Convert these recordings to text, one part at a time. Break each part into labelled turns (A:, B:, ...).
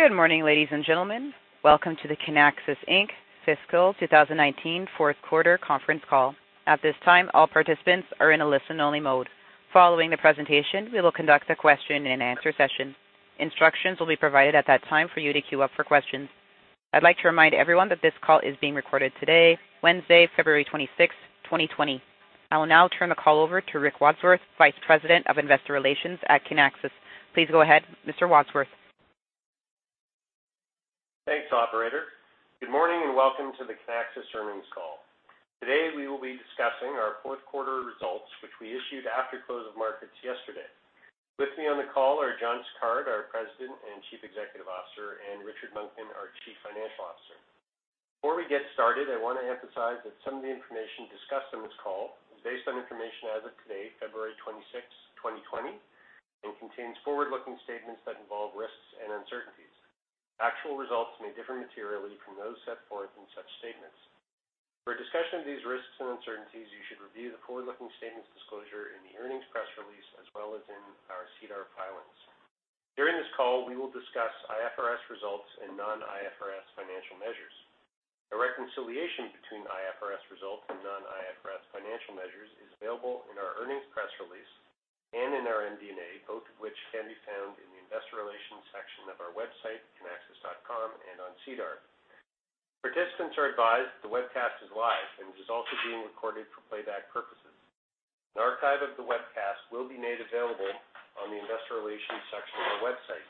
A: Good morning, ladies and gentlemen. Welcome to the Kinaxis Inc fiscal 2019 fourth quarter conference call. At this time, all participants are in a listen-only mode. Following the presentation, we will conduct a question and answer session. Instructions will be provided at that time for you to queue up for questions. I'd like to remind everyone that this call is being recorded today, Wednesday, February 26, 2020. I will now turn the call over to Rick Wadsworth, Vice President of Investor Relations at Kinaxis. Please go ahead, Mr. Wadsworth.
B: Thanks, operator. Good morning and welcome to the Kinaxis earnings call. Today we will be discussing our fourth quarter results, which we issued after close of markets yesterday. With me on the call are John Sicard, our President and Chief Executive Officer, and Richard Monkman, our Chief Financial Officer. Before we get started, I want to emphasize that some of the information discussed on this call is based on information as of today, February 26, 2020, and contains forward-looking statements that involve risks and uncertainties. Actual results may differ materially from those set forth in such statements. For a discussion of these risks and uncertainties, you should review the forward-looking statements disclosure in the earnings press release, as well as in our SEDAR filings. During this call, we will discuss IFRS results and non-IFRS financial measures. A reconciliation between IFRS results and non-IFRS financial measures is available in our earnings press release and in our MD&A, both of which can be found in the investor relations section of our website, kinaxis.com, and on SEDAR. Participants are advised that the webcast is live and is also being recorded for playback purposes. An archive of the webcast will be made available on the investor relations section of our website.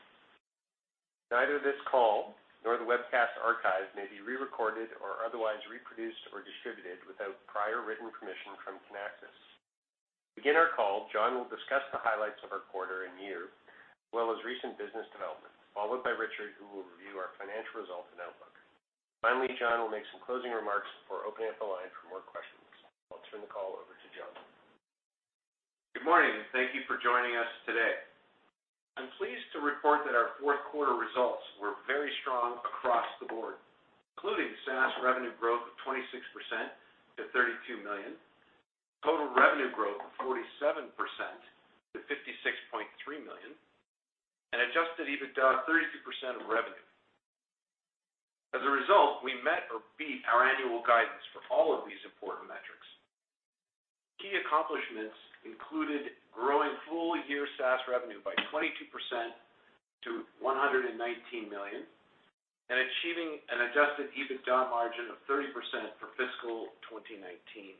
B: Neither this call nor the webcast archive may be re-recorded or otherwise reproduced or distributed without prior written permission from Kinaxis. To begin our call, John will discuss the highlights of our quarter and year, as well as recent business developments, followed by Richard, who will review our financial results and outlook. Finally, John will make some closing remarks before opening up the line for more questions. I'll turn the call over to John.
C: Good morning, and thank you for joining us today. I'm pleased to report that our fourth quarter results were very strong across the board, including SaaS revenue growth of 26% to $32 million, total revenue growth of 47% to $56.3 million, and Adjusted EBITDA, 32% of revenue. As a result, we met or beat our annual guidance for all of these important metrics. Key accomplishments included growing full-year SaaS revenue by 22% to $119 million and achieving an Adjusted EBITDA margin of 30% for fiscal 2019.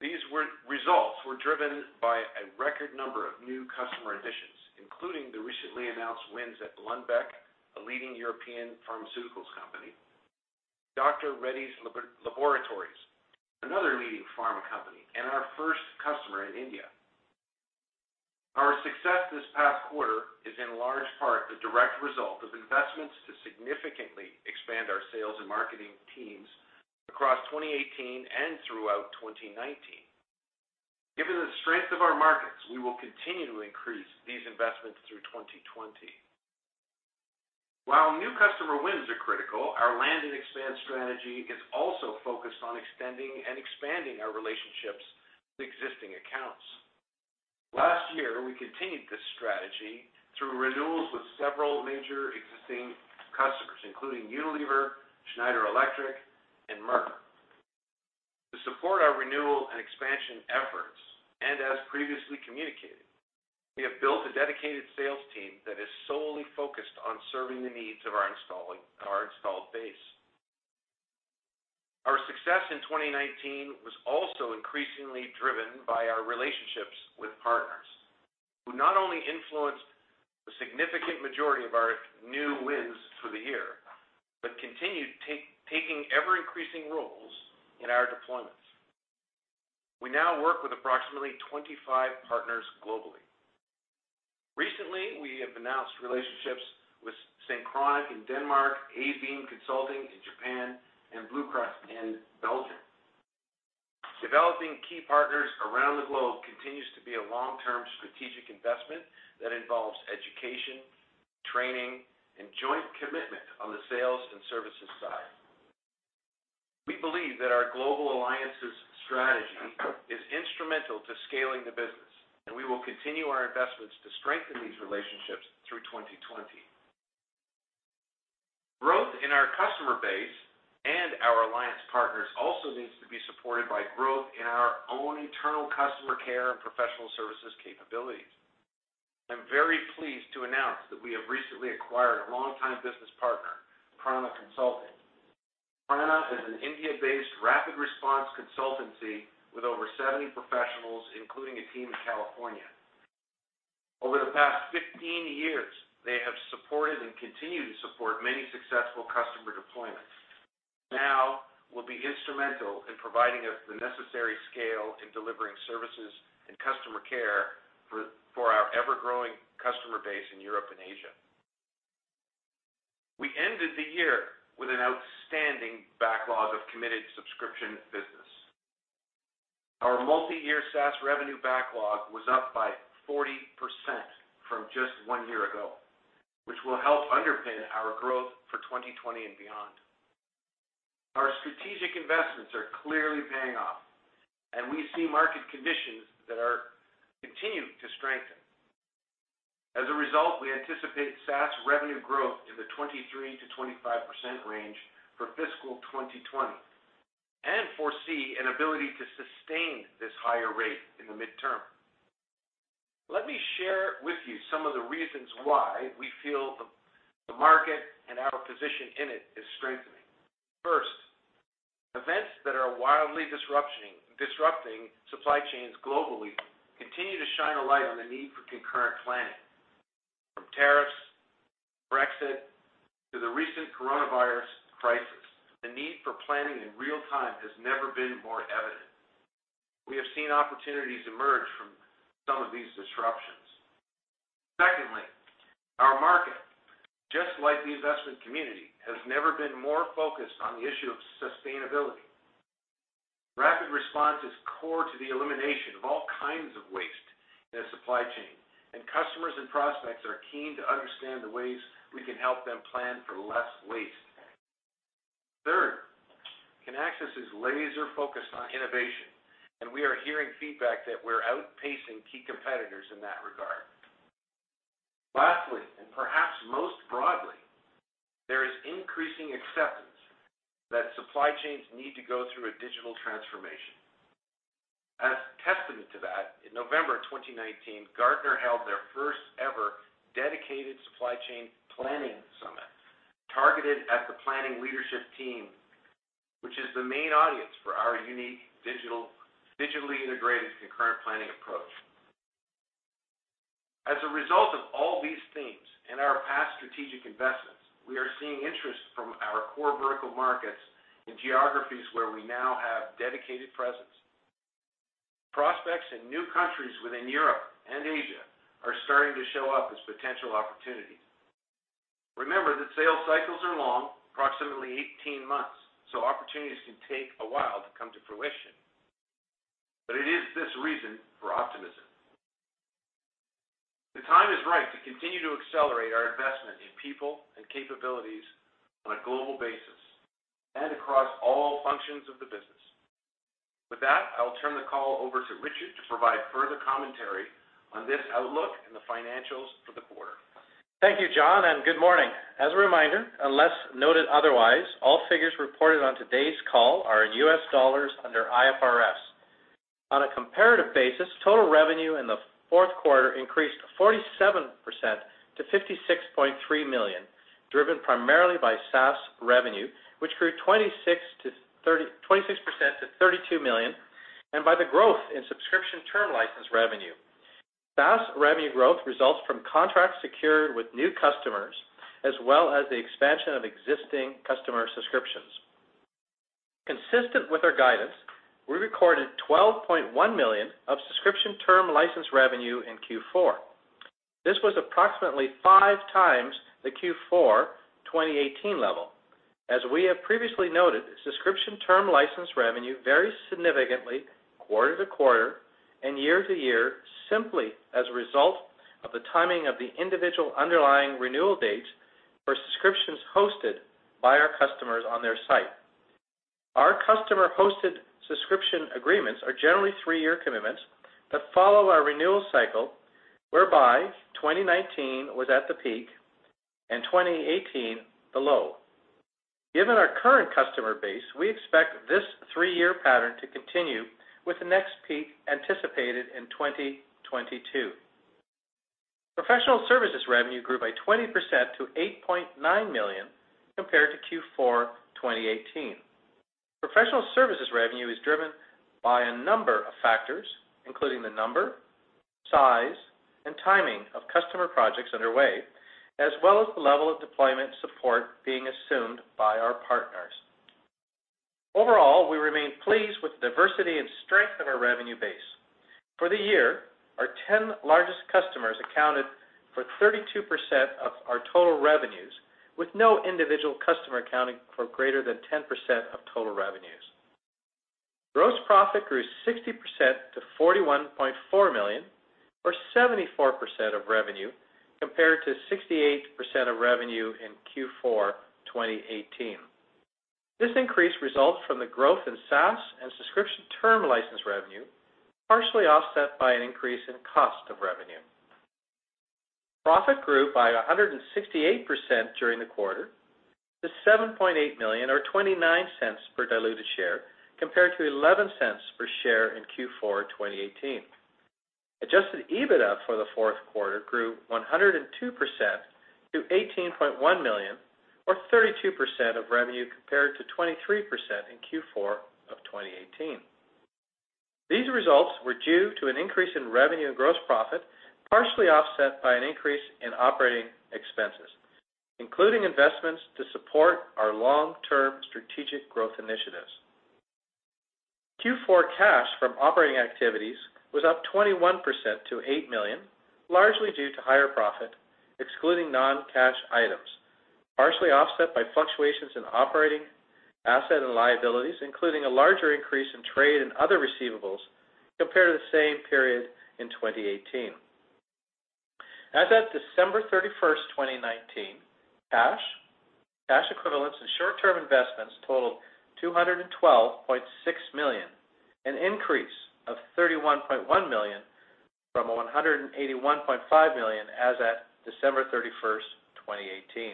C: These results were driven by a record number of new customer additions, including the recently announced wins at Lundbeck, a leading European pharmaceuticals company, Dr. Reddy's Laboratories, another leading pharma company, and our first customer in India. Our success this past quarter is in large part the direct result of investments to significantly expand our sales and marketing teams across 2018 and throughout 2019. Given the strength of our markets, we will continue to increase these investments through 2020. While new customer wins are critical, our land and expand strategy is also focused on extending and expanding our relationships with existing accounts. Last year, we continued this strategy through renewals with several major existing customers, including Unilever, Schneider Electric, and Merck. To support our renewal and expansion efforts, and as previously communicated, we have built a dedicated sales team that is solely focused on serving the needs of our installed base. Our success in 2019 was also increasingly driven by our relationships with partners, who not only influenced the significant majority of our new wins for the year, but continued taking ever-increasing roles in our deployments. We now work with approximately 25 partners globally. Recently, we have announced relationships with Syncronic in Denmark, ABeam Consulting in Japan, and bluecrux in Belgium. Developing key partners around the globe continues to be a long-term strategic investment that involves education, training, and joint commitment on the sales and services side. We believe that our global alliances strategy is instrumental to scaling the business, and we will continue our investments to strengthen these relationships through 2020. Growth in our customer base and our alliance partners also needs to be supported by growth in our own internal customer care and professional services capabilities. I'm very pleased to announce that we have recently acquired a longtime business partner, Prana Consulting. Prana is an India-based RapidResponse consultancy with over 70 professionals, including a team in California. Over the past 15 years, they have supported and continue to support many successful customer deployments. Now, we'll be instrumental in providing us the necessary scale in delivering services and customer care for our ever-growing customer base in Europe and Asia. We ended the year with an outstanding backlog of committed subscription business. Our multi-year SaaS revenue backlog was up by 40% from just one year ago, which will help underpin our growth for 2020 and beyond. Strategic investments are clearly paying off, and we see market conditions that are continuing to strengthen. As a result, we anticipate SaaS revenue growth in the 23%-25% range for fiscal 2020, and foresee an ability to sustain this higher rate in the midterm. Let me share with you some of the reasons why we feel the market and our position in it is strengthening. First, events that are wildly disrupting supply chains globally continue to shine a light on the need for concurrent planning. From tariffs, Brexit, to the recent coronavirus crisis, the need for planning in real time has never been more evident. We have seen opportunities emerge from some of these disruptions. Secondly, our market, just like the investment community, has never been more focused on the issue of sustainability. RapidResponse is core to the elimination of all kinds of waste in a supply chain, and customers and prospects are keen to understand the ways we can help them plan for less waste. Third, Kinaxis is laser-focused on innovation, and we are hearing feedback that we're outpacing key competitors in that regard. Lastly, and perhaps most broadly, there is increasing acceptance that supply chains need to go through a digital transformation. As testament to that, in November 2019, Gartner held their first ever dedicated supply chain planning summit targeted at the planning leadership team, which is the main audience for our unique digitally integrated concurrent planning approach. As a result of all these themes and our past strategic investments, we are seeing interest from our core vertical markets in geographies where we now have dedicated presence. Prospects in new countries within Europe and Asia are starting to show up as potential opportunities. Remember that sales cycles are long, approximately 18 months, so opportunities can take a while to come to fruition, but it is this reason for optimism. The time is right to continue to accelerate our investment in people and capabilities on a global basis and across all functions of the business. With that, I'll turn the call over to Richard to provide further commentary on this outlook and the financials for the quarter.
D: Thank you, John, and good morning. As a reminder, unless noted otherwise, all figures reported on today's call are in U.S. dollars under IFRS. On a comparative basis, total revenue in the fourth quarter increased 47% to $56.3 million, driven primarily by SaaS revenue, which grew 26% to $32 million, and by the growth in subscription term license revenue. SaaS revenue growth results from contracts secured with new customers, as well as the expansion of existing customer subscriptions. Consistent with our guidance, we recorded $12.1 million of subscription term license revenue in Q4. This was approximately five times the Q4 2018 level. As we have previously noted, subscription term license revenue varies significantly quarter to quarter and year to year simply as a result of the timing of the individual underlying renewal dates for subscriptions hosted by our customers on their site. Our customer-hosted subscription agreements are generally three-year commitments that follow our renewal cycle, whereby 2019 was at the peak and 2018 the low. Given our current customer base, we expect this three-year pattern to continue with the next peak anticipated in 2022. Professional services revenue grew by 20% to $8.9 million compared to Q4 2018. Professional services revenue is driven by a number of factors, including the number, size, and timing of customer projects underway, as well as the level of deployment support being assumed by our partners. Overall, we remain pleased with the diversity and strength of our revenue base. For the year, our 10 largest customers accounted for 32% of our total revenues, with no individual customer accounting for greater than 10% of total revenues. Gross profit grew 60% to $41.4 million or 74% of revenue, compared to 68% of revenue in Q4 2018. This increase results from the growth in SaaS and subscription term license revenue, partially offset by an increase in cost of revenue. Profit grew by 168% during the quarter to $7.8 million or $0.29 per diluted share, compared to $0.11 per share in Q4 2018. Adjusted EBITDA for the fourth quarter grew 102% to $18.1 million or 32% of revenue compared to 23% in Q4 of 2018. These results were due to an increase in revenue and gross profit, partially offset by an increase in operating expenses, including investments to support our long-term strategic growth initiatives. Q4 cash from operating activities was up 21% to $8 million, largely due to higher profit, excluding non-cash items, partially offset by fluctuations in operating asset and liabilities, including a larger increase in trade and other receivables compared to the same period in 2018. As of December 31st, 2019, cash equivalents, and short-term investments totaled $212.6 million, an increase of $31.1 million from $181.5 million as at December 31st, 2018.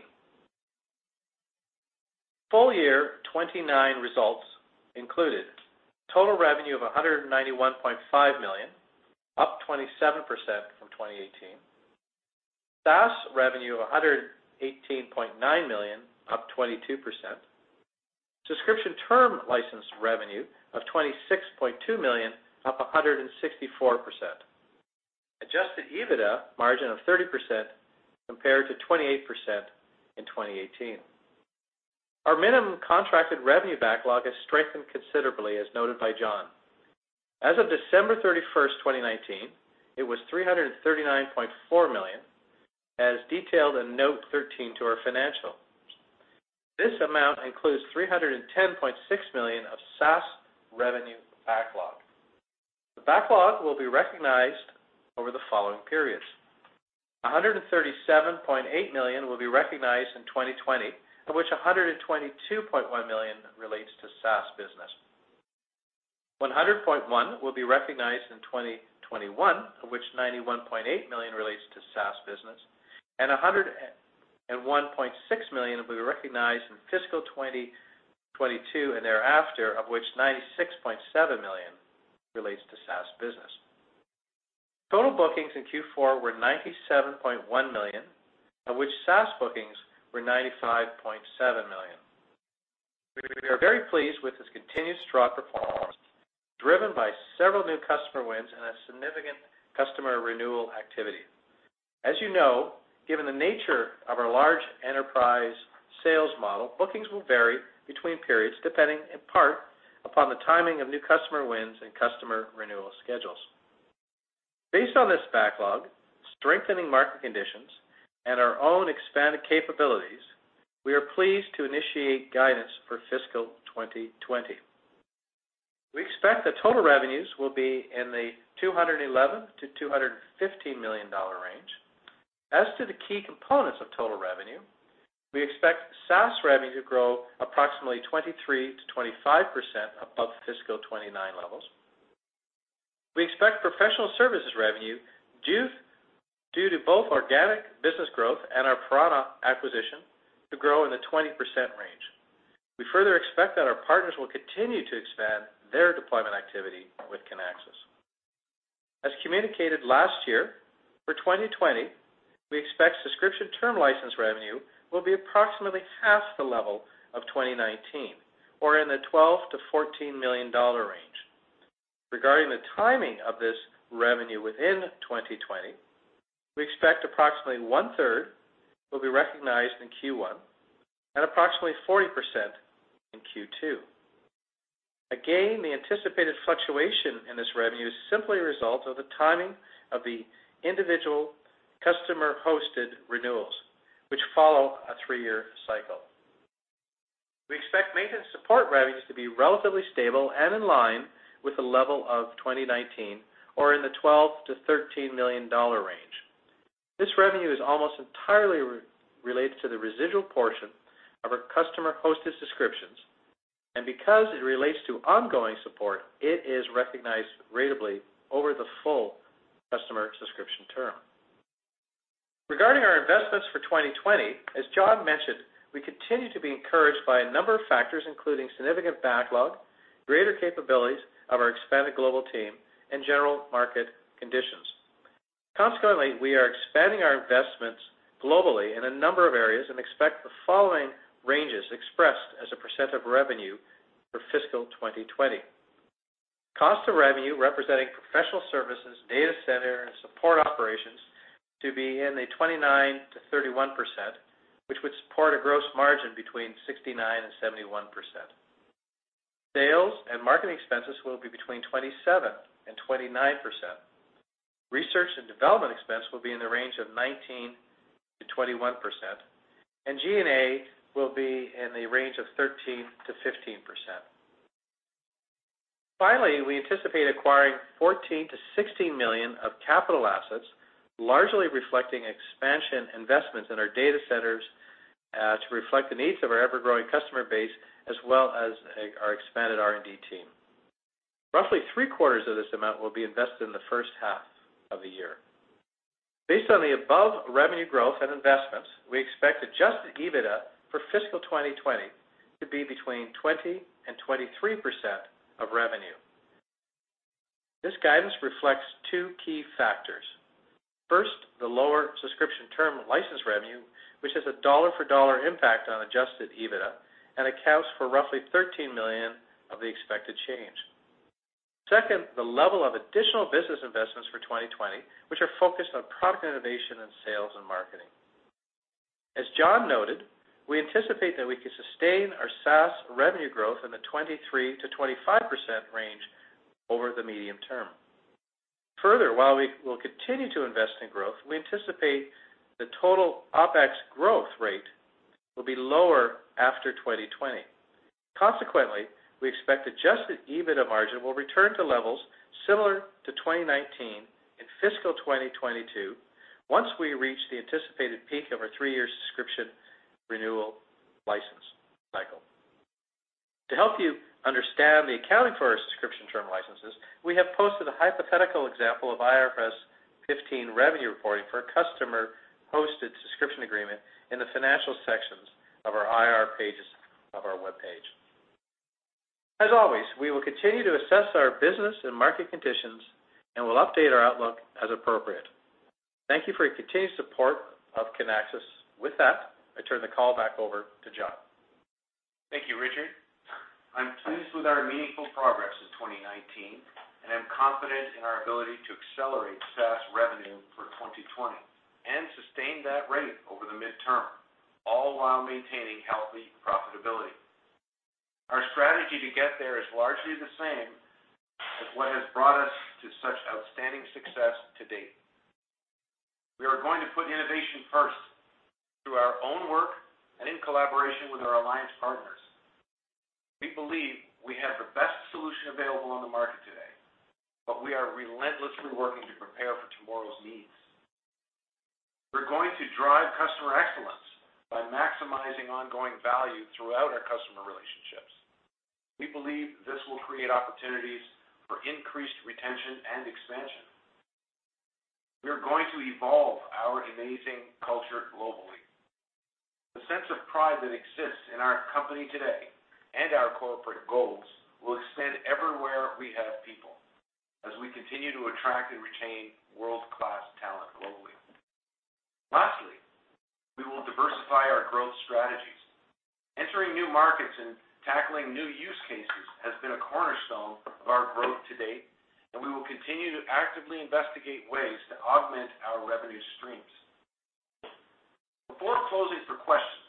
D: Full year 2019 results included total revenue of $191.5 million, up 27% from 2018. SaaS revenue of $118.9 million, up 22%. Subscription term license revenue of $26.2 million, up 164%. Adjusted EBITDA margin of 30%, compared to 28% in 2018. Our minimum contracted revenue backlog has strengthened considerably, as noted by John. As of December 31st, 2019, it was $339.4 million, as detailed in Note 13 to our financials. This amount includes $310.6 million of SaaS revenue backlog. The backlog will be recognized over the following periods. $137.8 million will be recognized in 2020, of which $122.1 million relates to SaaS business. $100.1 will be recognized in 2021, of which $91.8 million relates to SaaS business, and $101.6 million will be recognized in fiscal 2022 and thereafter, of which $96.7 million relates to SaaS business. Total bookings in Q4 were $97.1 million, of which SaaS bookings were $95.7 million. We are very pleased with this continued strong performance, driven by several new customer wins and a significant customer renewal activity. As you know, given the nature of our large enterprise sales model, bookings will vary between periods, depending in part upon the timing of new customer wins and customer renewal schedules. Based on this backlog, strengthening market conditions, and our own expanded capabilities, we are pleased to initiate guidance for fiscal 2020. We expect that total revenues will be in the $211 million-$215 million range. As to the key components of total revenue, we expect SaaS revenue to grow approximately 23%-25% above fiscal 2019 levels. We expect professional services revenue, due to both organic business growth and our Prana acquisition, to grow in the 20% range. We further expect that our partners will continue to expand their deployment activity with Kinaxis. As communicated last year, for 2020, we expect subscription term license revenue will be approximately half the level of 2019, or in the $12 million-$14 million range. Regarding the timing of this revenue within 2020, we expect approximately 1/3 will be recognized in Q1 and approximately 40% in Q2. Again, the anticipated fluctuation in this revenue simply results of the timing of the individual customer-hosted renewals, which follow a three-year cycle. We expect maintenance support revenues to be relatively stable and in line with the level of 2019, or in the $12 million-$13 million range. This revenue is almost entirely related to the residual portion of our customer-hosted subscriptions, and because it relates to ongoing support, it is recognized ratably over the full customer subscription term. Regarding our investments for 2020, as John mentioned, we continue to be encouraged by a number of factors, including significant backlog, greater capabilities of our expanded global team, and general market conditions. We are expanding our investments globally in a number of areas and expect the following ranges expressed as a percent of revenue for fiscal 2020. Cost of revenue, representing professional services, data center, and support operations to be in a 29%-31%, which would support a gross margin between 69% and 71%. Sales and marketing expenses will be between 27%-29%. Research and development expense will be in the range of 19%-21%, and G&A will be in the range of 13%-15%. Finally, we anticipate acquiring $14 million-$16 million of capital assets, largely reflecting expansion investments in our data centers to reflect the needs of our ever-growing customer base, as well as our expanded R&D team. Roughly three-quarters of this amount will be invested in the first half of the year. Based on the above revenue growth and investments, we expect Adjusted EBITDA for fiscal 2020 to be between 20%-23% of revenue. This guidance reflects two key factors. First, the lower subscription term license revenue, which has a dollar-for-dollar impact on Adjusted EBITDA and accounts for roughly $13 million of the expected change. The level of additional business investments for 2020, which are focused on product innovation and sales and marketing. As John noted, we anticipate that we can sustain our SaaS revenue growth in the 23%-25% range over the medium term. While we will continue to invest in growth, we anticipate the total OpEx growth rate will be lower after 2020. Consequently, we expect Adjusted EBITDA margin will return to levels similar to 2019 in fiscal 2022, once we reach the anticipated peak of our three-year subscription renewal license cycle. To help you understand the accounting for our subscription term licenses, we have posted a hypothetical example of IFRS 15 revenue reporting for a customer-hosted subscription agreement in the financial sections of our IR pages of our webpage. We will continue to assess our business and market conditions, and we'll update our outlook as appropriate. Thank you for your continued support of Kinaxis. With that, I turn the call back over to John.
C: Thank you, Richard. I'm pleased with our meaningful progress in 2019, and am confident in our ability to accelerate SaaS revenue for 2020 and sustain that rate over the midterm, all while maintaining healthy profitability. Our strategy to get there is largely the same as what has brought us to such outstanding success to date. We are going to put innovation first, through our own work and in collaboration with our alliance partners. We believe we have the best solution available on the market today, but we are relentlessly working to prepare for tomorrow's needs. We're going to drive customer excellence by maximizing ongoing value throughout our customer relationships. We believe this will create opportunities for increased retention and expansion. We are going to evolve our amazing culture globally. The sense of pride that exists in our company today, and our corporate goals, will extend everywhere we have people, as we continue to attract and retain world-class talent globally. Lastly, we will diversify our growth strategies. Entering new markets and tackling new use cases has been a cornerstone of our growth to date, and we will continue to actively investigate ways to augment our revenue streams. Before closing for questions,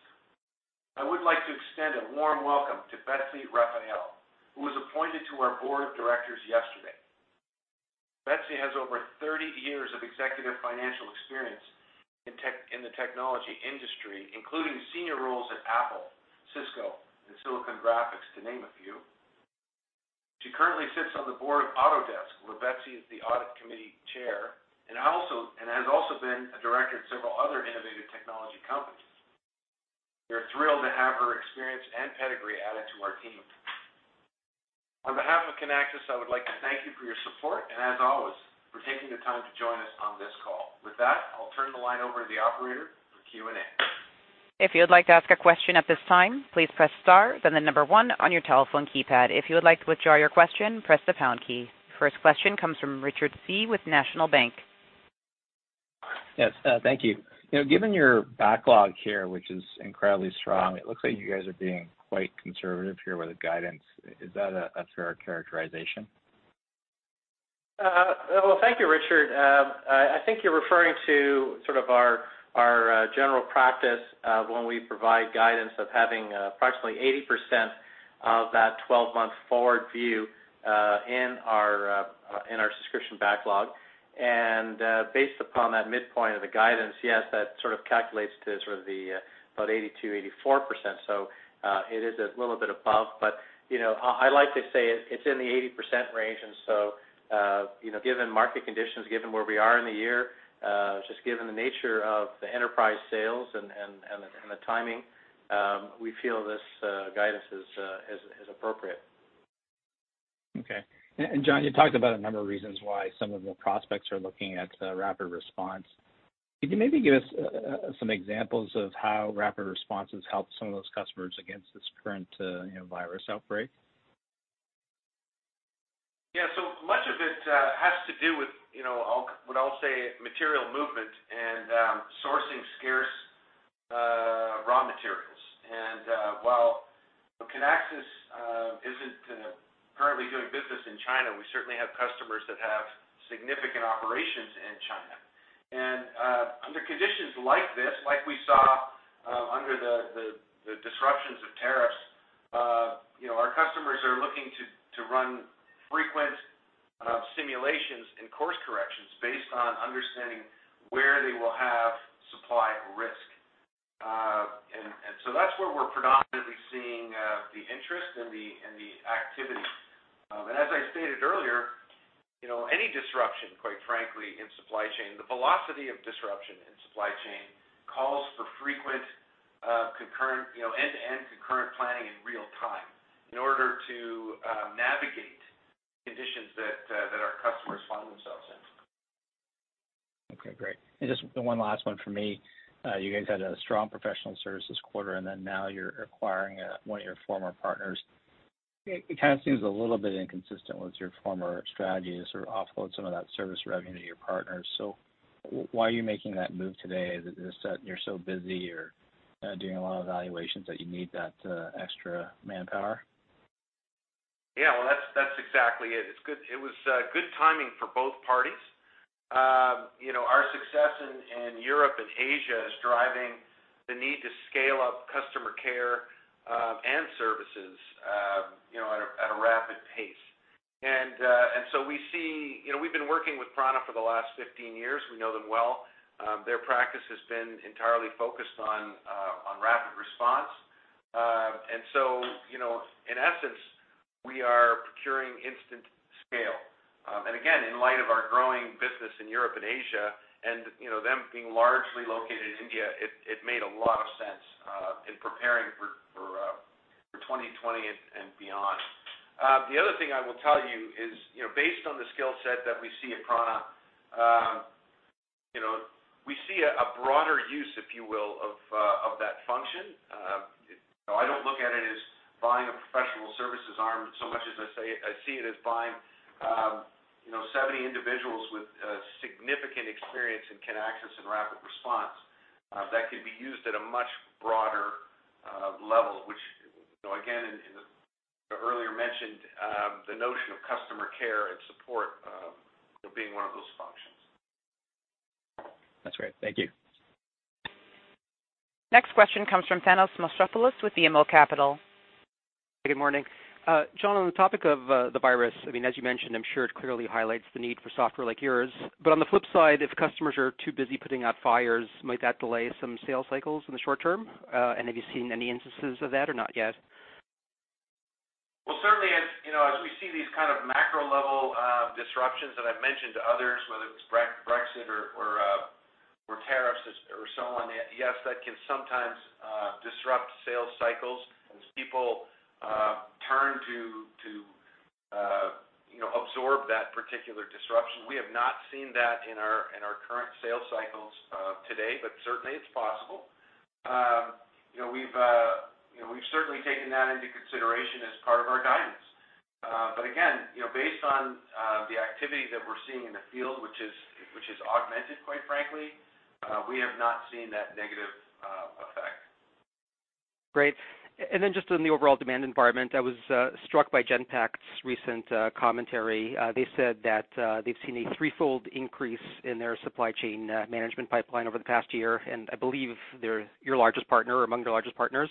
C: I would like to extend a warm welcome to Betsy Rafael, who was appointed to our board of directors yesterday. Betsy has over 30 years of executive financial experience in the technology industry, including senior roles at Apple, Cisco, and Silicon Graphics, to name a few. She currently sits on the board of Autodesk, where Betsy is the audit committee chair, and has also been a director at several other innovative technology companies. We are thrilled to have her experience and pedigree added to our team. On behalf of Kinaxis, I would like to thank you for your support, and as always, for taking the time to join us on this call. With that, I'll turn the line over to the operator for Q&A.
A: If you would like to ask a question at this time, please press star, then the number one on your telephone keypad. If you would like to withdraw your question, press the pound key. First question comes from Richard Tse with National Bank.
E: Yes, thank you. Given your backlog here, which is incredibly strong, it looks like you guys are being quite conservative here with the guidance. Is that a fair characterization?
D: Well, thank you, Richard. I think you're referring to our general practice, when we provide guidance of having approximately 80% of that 12-month forward view in our subscription backlog. Based upon that midpoint of the guidance, yes, that sort of calculates to about 82%-84%. It is a little bit above, but I like to say it's in the 80% range, and so, given market conditions, given where we are in the year, just given the nature of the enterprise sales and the timing, we feel this guidance is appropriate.
E: Okay. John, you talked about a number of reasons why some of the prospects are looking at RapidResponse. Could you maybe give us some examples of how RapidResponse has helped some of those customers against this current virus outbreak?
C: Yeah. So much of it has to do with what I'll say material movement and sourcing scarce raw materials. While Kinaxis isn't currently doing business in China, we certainly have customers that have significant operations in China. Under conditions like this, like we saw under the disruptions of tariffs, our customers are looking to run frequent simulations and course corrections based on understanding where they will have supply at risk. That's where we're predominantly seeing the interest and the activity. As I stated earlier, any disruption, quite frankly, in supply chain, the velocity of disruption in supply chain, calls for frequent end-to-end concurrent planning in real time in order to navigate conditions that our customers find themselves in.
E: Okay, great. Just one last one from me. You guys had a strong professional services quarter, now you're acquiring one of your former partners. It kind of seems a little bit inconsistent with your former strategy to sort of offload some of that service revenue to your partners. Why are you making that move today? Is it that you're so busy or doing a lot of evaluations that you need that extra manpower?
C: Yeah, well, that's exactly it. It was good timing for both parties. Our success in Europe and Asia is driving the need to scale up customer care and services at a rapid pace. We've been working with Prana for the last 15 years. We know them well. Their practice has been entirely focused on RapidResponse. In essence, we are procuring instant scale. Again, in light of our growing business in Europe and Asia, and them being largely located in India, it made a lot of sense in preparing for 2020 and beyond. The other thing I will tell you is, based on the skill set that we see at Prana, we see a broader use, if you will, of that function. I don't look at it as buying a professional services arm so much as I see it as buying 70 individuals with significant experience in Kinaxis and RapidResponse that could be used at a much broader level, which, again, in the earlier mentioned, the notion of customer care and support being one of those functions.
E: That's great. Thank you.
A: Next question comes from Thanos Moschopoulos with BMO Capital Markets.
F: Good morning. John, on the topic of the virus, as you mentioned, I'm sure it clearly highlights the need for software like yours. On the flip side, if customers are too busy putting out fires, might that delay some sales cycles in the short term? Have you seen any instances of that or not yet?
C: Well, certainly as we see these kind of macro level disruptions that I've mentioned to others, whether it's Brexit or tariffs or so on, yes, that can sometimes disrupt sales cycles as people turn to absorb that particular disruption. We have not seen that in our current sales cycles today, but certainly it's possible. We've certainly taken that into consideration as part of our guidance. Again, based on the activity that we're seeing in the field, which is augmented, quite frankly, we have not seen that negative effect.
F: Great. Just on the overall demand environment, I was struck by Genpact's recent commentary. They said that they've seen a threefold increase in their supply chain management pipeline over the past year, and I believe they're your largest partner, among your largest partners.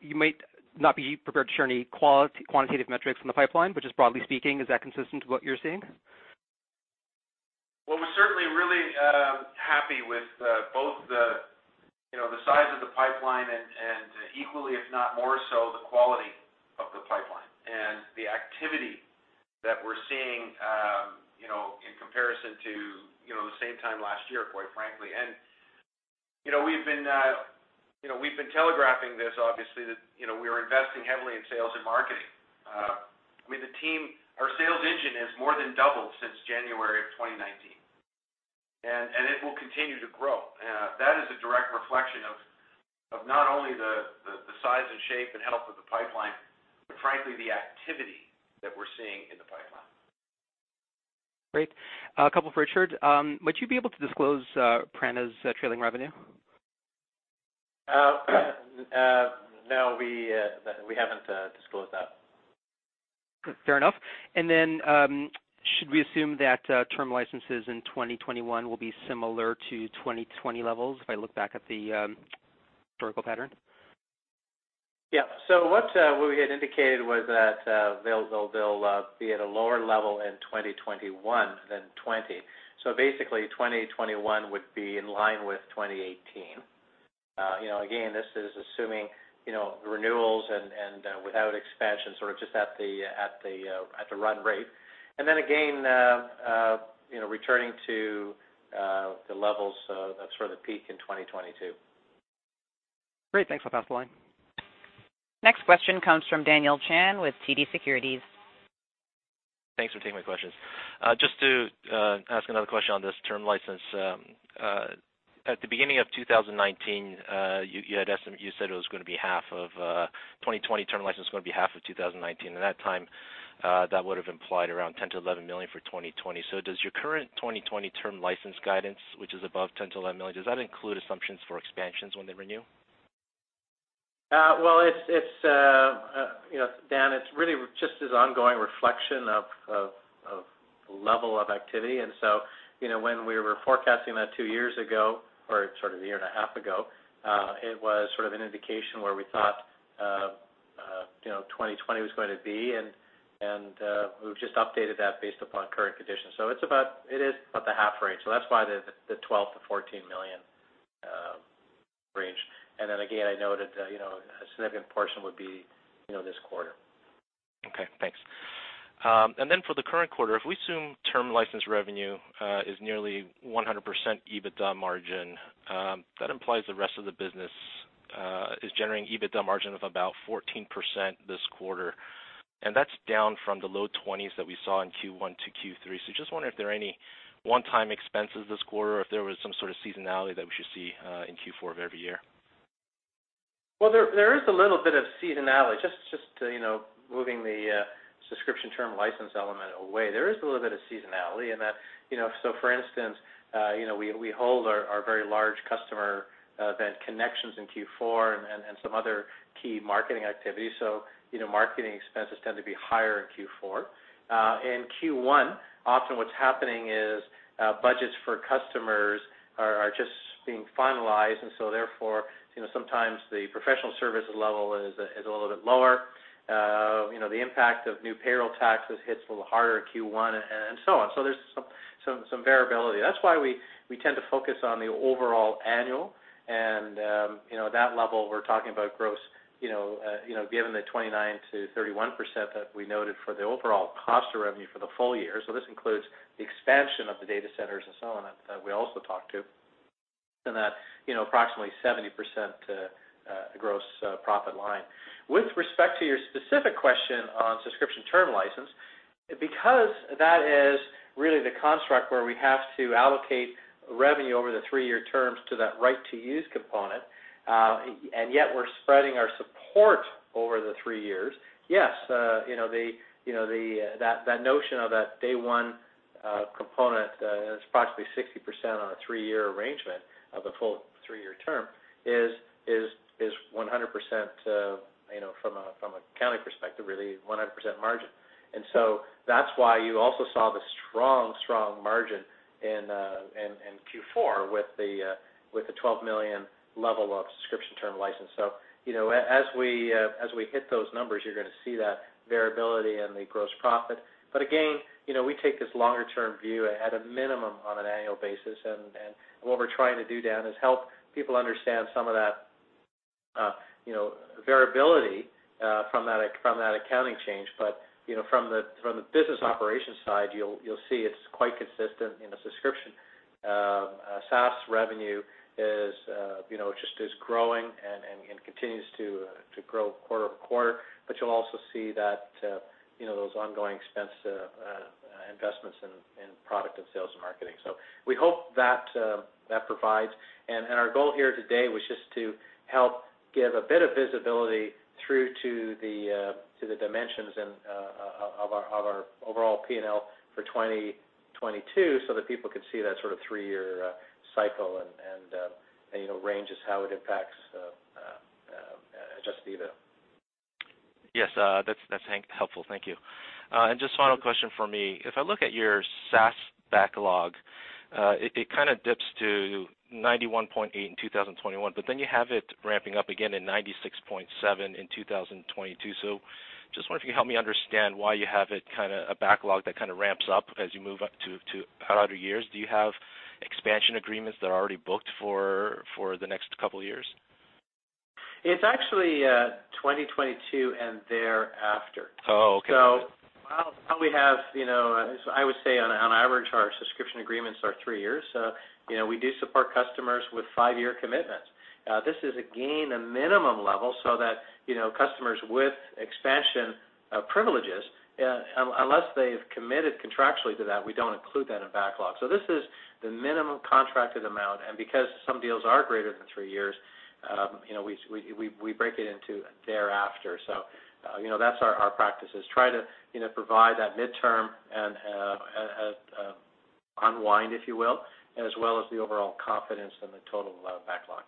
F: You might not be prepared to share any quantitative metrics from the pipeline, but just broadly speaking, is that consistent to what you're seeing?
C: Well, we're certainly really happy with both the size of the pipeline and equally, if not more so, the quality of the pipeline and the activity that we're seeing in comparison to the same time last year, quite frankly. We've been telegraphing this, obviously, that we are investing heavily in sales and marketing. Our sales engine has more than doubled since January of 2019, and it will continue to grow. That is a direct reflection of not only the size and shape and health of the pipeline, but frankly, the activity that we're seeing in the pipeline.
F: Great. A couple for Richard. Would you be able to disclose Prana's trailing revenue?
D: No, we haven't disclosed that.
F: Fair enough. Should we assume that term licenses in 2021 will be similar to 2020 levels if I look back at the historical pattern?
D: Yeah. What we had indicated was that they'll be at a lower level in 2021 than 2020. Basically, 2021 would be in line with 2018. Again, this is assuming renewals and without expansion, sort of just at the run rate. Again, returning to the levels of sort of the peak in 2022.
F: Great. Thanks. I'll pass the line.
A: Next question comes from Daniel Chan with TD Securities.
G: Thanks for taking my questions. Just to ask another question on this term license. At the beginning of 2019, you said 2020 term license was going to be half of 2019. At that time, that would have implied around $10 million-$11 million for 2020. Does your current 2020 term license guidance, which is above $10 million-$11 million, does that include assumptions for expansions when they renew?
D: Well, Dan, it's really just this ongoing reflection of the level of activity. When we were forecasting that two years ago, or sort of a year and a half ago, it was sort of an indication where we thought 2020 was going to be, and we've just updated that based upon current conditions. It is about the half rate, so that's why the $12 million-$14 million range. Again, I know that a significant portion would be this quarter.
G: Okay, thanks. For the current quarter, if we assume term license revenue is nearly 100% EBITDA margin, that implies the rest of the business is generating EBITDA margin of about 14% this quarter. That's down from the low 20s that we saw in Q1 to Q3. Just wonder if there are any one-time expenses this quarter, or if there was some sort of seasonality that we should see in Q4 of every year?
D: Well, there is a little bit of seasonality, just moving the subscription term license element away. There is a little bit of seasonality in that, for instance, we hold our very large customer event Kinexions in Q4 and some other key marketing activities. Marketing expenses tend to be higher in Q4. In Q1, often what's happening is budgets for customers are just being finalized, therefore, sometimes the professional service level is a little bit lower. The impact of new payroll taxes hits a little harder in Q1 and so on. There's some variability. That's why we tend to focus on the overall annual and at that level, we're talking about gross, given the 29%-31% that we noted for the overall cost of revenue for the full year. This includes the expansion of the data centers and so on that we also talked to, and that approximately 70% gross profit line. With respect to your specific question on subscription term license, because that is really the construct where we have to allocate revenue over the three-year terms to that right-to-use component, and yet we're spreading our support over the three years. Yes, that notion of that day one component is approximately 60% on a three-year arrangement of the full three-year term is 100%, from an accounting perspective, really 100% margin. That's why you also saw the strong margin in Q4 with the $12 million level of subscription term license. As we hit those numbers, you're going to see that variability in the gross profit. Again, we take this longer-term view at a minimum on an annual basis. What we're trying to do, Dan, is help people understand some of that variability from that accounting change. From the business operations side, you'll see it's quite consistent in a subscription. SaaS revenue just is growing and continues to grow quarter-over-quarter. You'll also see those ongoing expense investments in product and sales and marketing. We hope that provides, and our goal here today was just to help give a bit of visibility through to the dimensions of our overall P&L for 2022 so that people can see that sort of three-year cycle and ranges how it impacts Adjusted EBITDA.
G: Yes, that's helpful. Thank you. Just final question from me. If I look at your SaaS backlog, it kind of dips to 91.8 in 2021, but then you have it ramping up again in 96.7 in 2022. Just wonder if you can help me understand why you have it kind of a backlog that kind of ramps up as you move up to harder years. Do you have expansion agreements that are already booked for the next couple of years?
D: It's actually 2022 and thereafter.
G: Oh, okay.
D: While we have, I would say on average, our subscription agreements are three years. We do support customers with five-year commitments. This is again, a minimum level so that customers with expansion privileges, unless they've committed contractually to that, we don't include that in backlog. This is the minimum contracted amount, and because some deals are greater than three years, we break it into thereafter. That's our practice, is try to provide that midterm and unwind, if you will, as well as the overall confidence in the total backlog.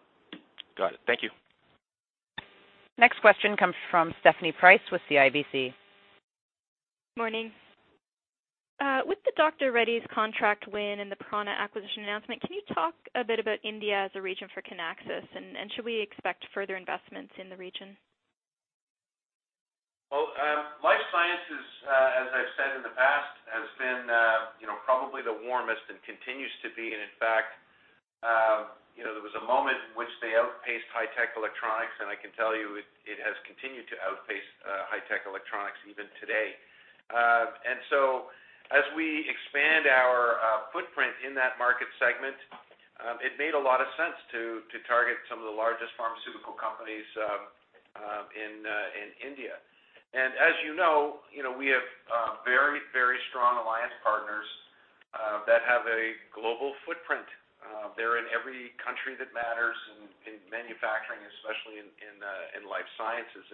G: Got it. Thank you.
A: Next question comes from Stephanie Price with CIBC.
H: Morning. With the Dr. Reddy's contract win and the Prana acquisition announcement, can you talk a bit about India as a region for Kinaxis, and should we expect further investments in the region?
C: Well, life sciences, as I've said in the past, has been probably the warmest and continues to be. In fact, there was a moment in which they outpaced high-tech electronics, and I can tell you it has continued to outpace high-tech electronics even today. As we expand our footprint in that market segment, it made a lot of sense to target some of the largest pharmaceutical companies in India. As you know, we have very strong alliance partners that have a global footprint. They're in every country that matters in manufacturing, especially in life sciences.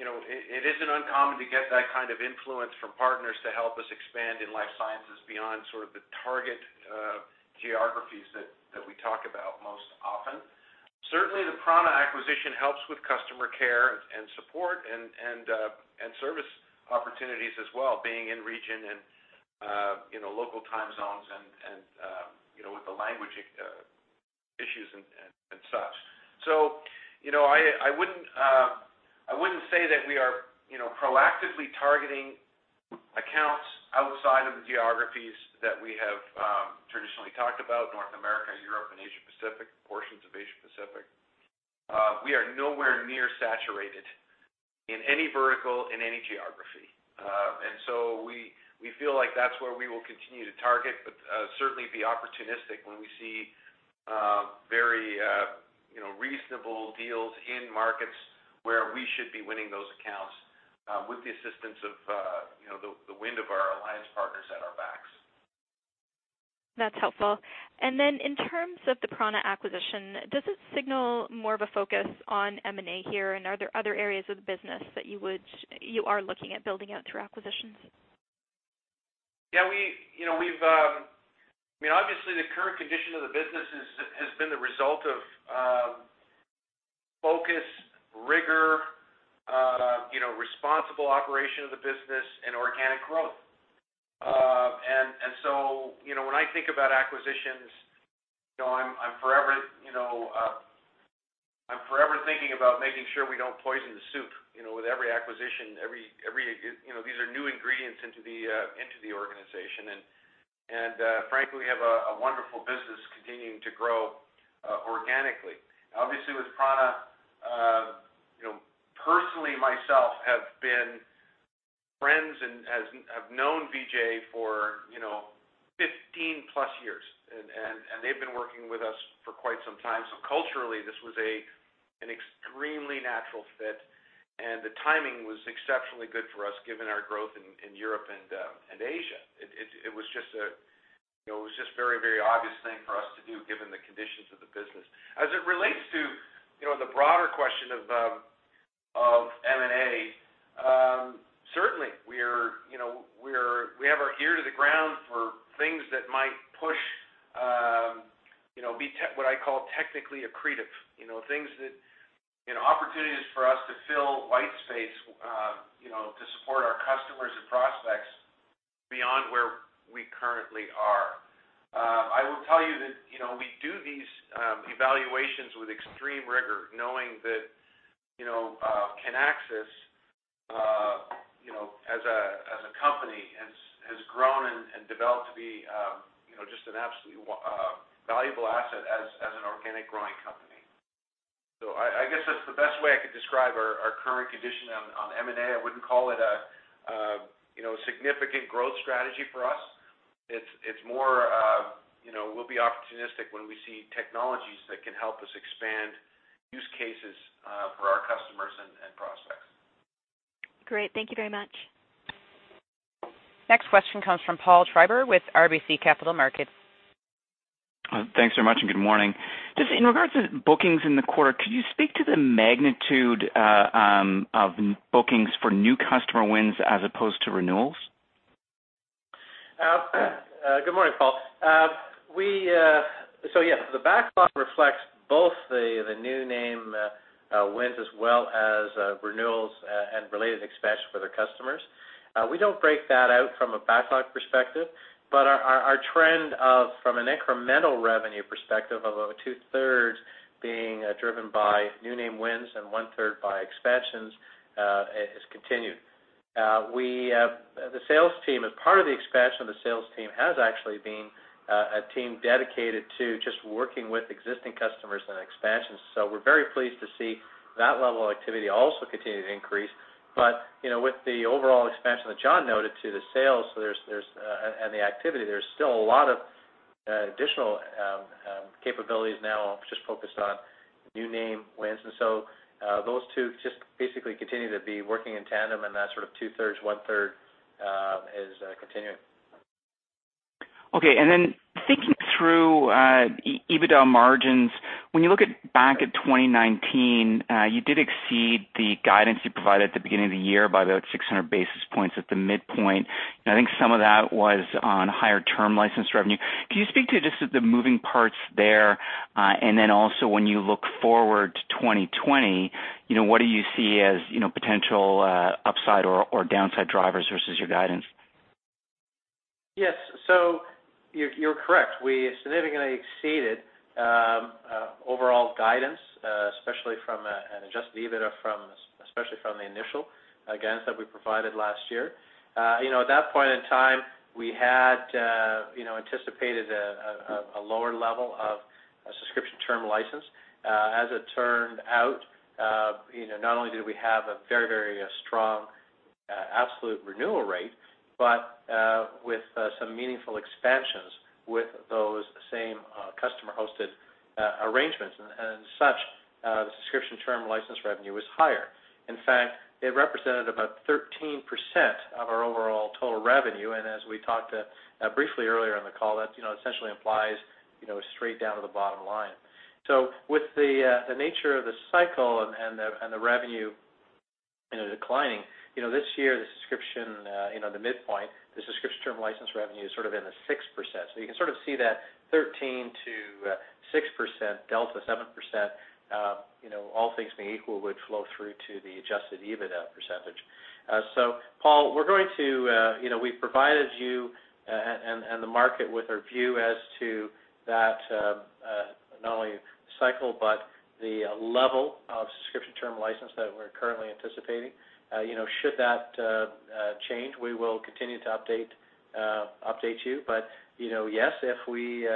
C: It isn't uncommon to get that kind of influence from partners to help us expand in life sciences beyond sort of the target geographies that we talk about most often. Certainly, the Prana acquisition helps with customer care and support and service opportunities as well, being in region and local time zones and with the language issues and such. I wouldn't say that we are proactively targeting accounts outside of the geographies that we have traditionally talked about, North America, Europe, and Asia Pacific, portions of Asia Pacific. We are nowhere near saturated in any vertical, in any geography. We feel like that's where we will continue to target, but certainly be opportunistic when we see very reasonable deals in markets where we should be winning those accounts, with the assistance of the wind of our alliance partners at our backs.
H: That's helpful. In terms of the Prana acquisition, does this signal more of a focus on M&A here? Are there other areas of the business that you are looking at building out through acquisitions?
C: Yeah. Obviously, the current condition of the business has been the result of focus, rigor, responsible operation of the business, and organic growth. When I think about acquisitions, I'm forever thinking about making sure we don't poison the soup with every acquisition. These are new ingredients into the organization, and frankly, we have a wonderful business continuing to grow organically. Obviously with Prana Consulting, personally, myself, have been friends and have known Vijay for 15+ years, and they've been working with us for quite some time. Culturally, this was an extremely natural fit, and the timing was exceptionally good for us, given our growth in Europe and Asia. It was just a very obvious thing for us to do given the conditions of the business. As it relates to the broader question of M&A, certainly we have our ear to the ground for things that might push, be what I call technically accretive. Opportunities for us to fill white space to support our customers and prospects beyond where we currently are. I will tell you that we do these evaluations with extreme rigor, knowing that Kinaxis as a company, has grown and developed to be just an absolutely valuable asset as an organic growing company. I guess that's the best way I could describe our current condition on M&A. I wouldn't call it a significant growth strategy for us. It's more we'll be opportunistic when we see technologies that can help us expand use cases for our customers and prospects.
H: Great. Thank you very much.
A: Next question comes from Paul Treiber with RBC Capital Markets.
I: Thanks very much, and good morning. Just in regards to bookings in the quarter, could you speak to the magnitude of bookings for new customer wins as opposed to renewals?
D: Good morning, Paul. The backlog reflects both the new name wins as well as renewals and related expansion for their customers. We don't break that out from a backlog perspective, our trend from an incremental revenue perspective of two-thirds being driven by new name wins and one-third by expansions has continued. Part of the expansion of the sales team has actually been a team dedicated to just working with existing customers and expansions. We're very pleased to see that level of activity also continue to increase. With the overall expansion that John noted to the sales and the activity, there's still a lot of additional capabilities now just focused on new name wins. Those two just basically continue to be working in tandem, and that sort of 2/3, 1/3 is continuing.
I: Okay. Thinking through EBITDA margins, when you look back at 2019, you did exceed the guidance you provided at the beginning of the year by about 600 basis points at the midpoint, and I think some of that was on higher term license revenue. Could you speak to just the moving parts there? Also when you look forward to 2020, what do you see as potential upside or downside drivers versus your guidance?
D: Yes. You're correct. We significantly exceeded overall guidance, especially from an Adjusted EBITDA, especially from the initial guidance that we provided last year. At that point in time, we had anticipated a lower level of subscription term license. As it turned out, not only did we have a very strong absolute renewal rate, but with some meaningful expansions with those same customer-hosted arrangements, and such, the subscription term license revenue was higher. In fact, it represented about 13% of our overall total revenue. As we talked briefly earlier in the call, that essentially implies straight down to the bottom line. With the nature of the cycle and the revenue declining, this year, the subscription, the midpoint, the subscription term license revenue is sort of in the 6%. You can sort of see that 13%-6% delta, 7%, all things being equal, would flow through to the Adjusted EBITDA percentage. Paul, we've provided you and the market with our view as to that not only cycle, but the level of subscription term license that we're currently anticipating. Should that change, we will continue to update you. Yes, if we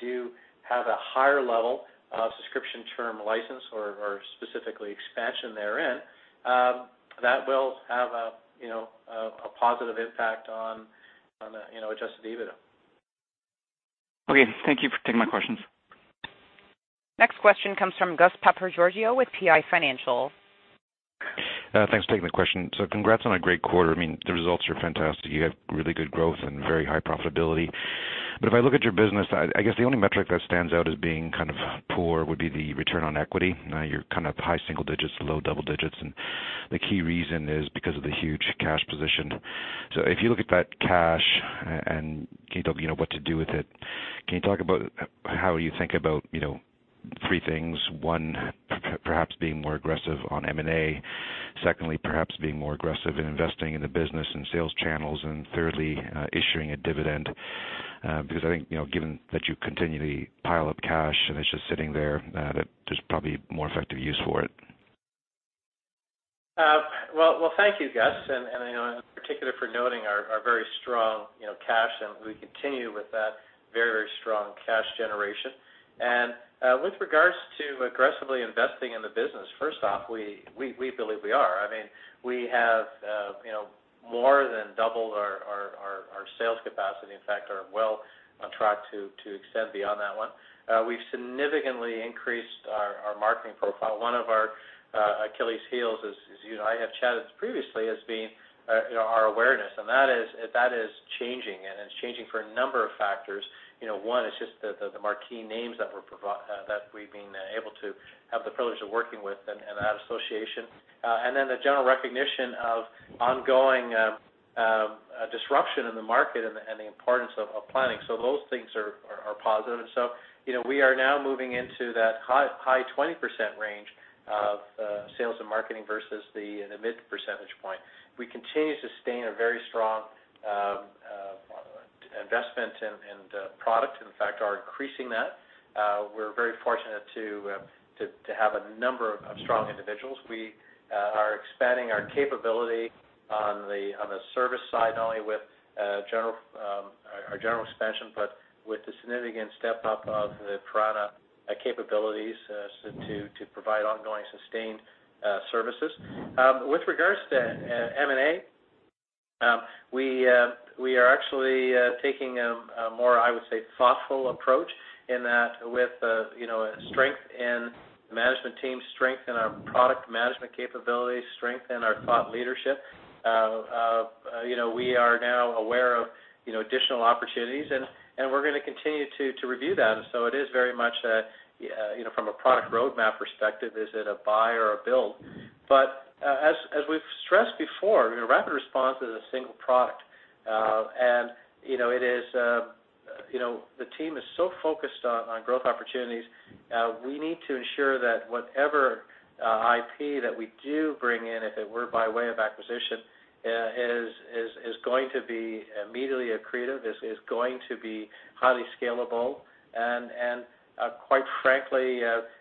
D: do have a higher level of subscription term license or specifically expansion therein, that will have a positive impact on Adjusted EBITDA.
I: Okay. Thank you for taking my questions.
A: Next question comes from Gus Papageorgiou with PI Financial.
J: Thanks for taking the question. Congrats on a great quarter. I mean, the results are fantastic. You have really good growth and very high profitability. If I look at your business, I guess the only metric that stands out as being kind of poor would be the return on equity. You're kind of high single digits to low double digits, and the key reason is because of the huge cash position. If you look at that cash and what to do with it, can you talk about how you think about three things. One, perhaps being more aggressive on M&A. Secondly, perhaps being more aggressive in investing in the business and sales channels and thirdly, issuing a dividend. I think, given that you continually pile up cash and it's just sitting there, that there's probably more effective use for it.
C: Well, thank you, Gus, and I know in particular for noting our very strong cash and we continue with that very strong cash generation. With regards to aggressively investing in the business, first off, we believe we are. We have more than double our sales capacity. In fact, are well on track to extend beyond that one. We've significantly increased our marketing profile. One of our Achilles' heels, as you and I have chatted previously, has been our awareness, and that is changing and it's changing for a number of factors. One is just the marquee names that we've been able to have the privilege of working with and that association. Then the general recognition of ongoing disruption in the market and the importance of planning. Those things are positive. We are now moving into that high 20% range of sales and marketing versus the mid percentage point. We continue to sustain a very strong investment in product, in fact, are increasing that. We are very fortunate to have a number of strong individuals. We are expanding our capability on the service side, not only with our general expansion, but with the significant step-up of the Prana capabilities to provide ongoing, sustained services. With regards to M&A, we are actually taking a more, I would say, thoughtful approach in that with strength in management team, strength in our product management capabilities, strength in our thought leadership. We are now aware of additional opportunities, and we are going to continue to review them. It is very much, from a product roadmap perspective, is it a buy or a build? As we have stressed before, RapidResponse is a single product. The team is so focused on growth opportunities. We need to ensure that whatever IP that we do bring in, if it were by way of acquisition, is going to be immediately accretive, is going to be highly scalable, and quite frankly,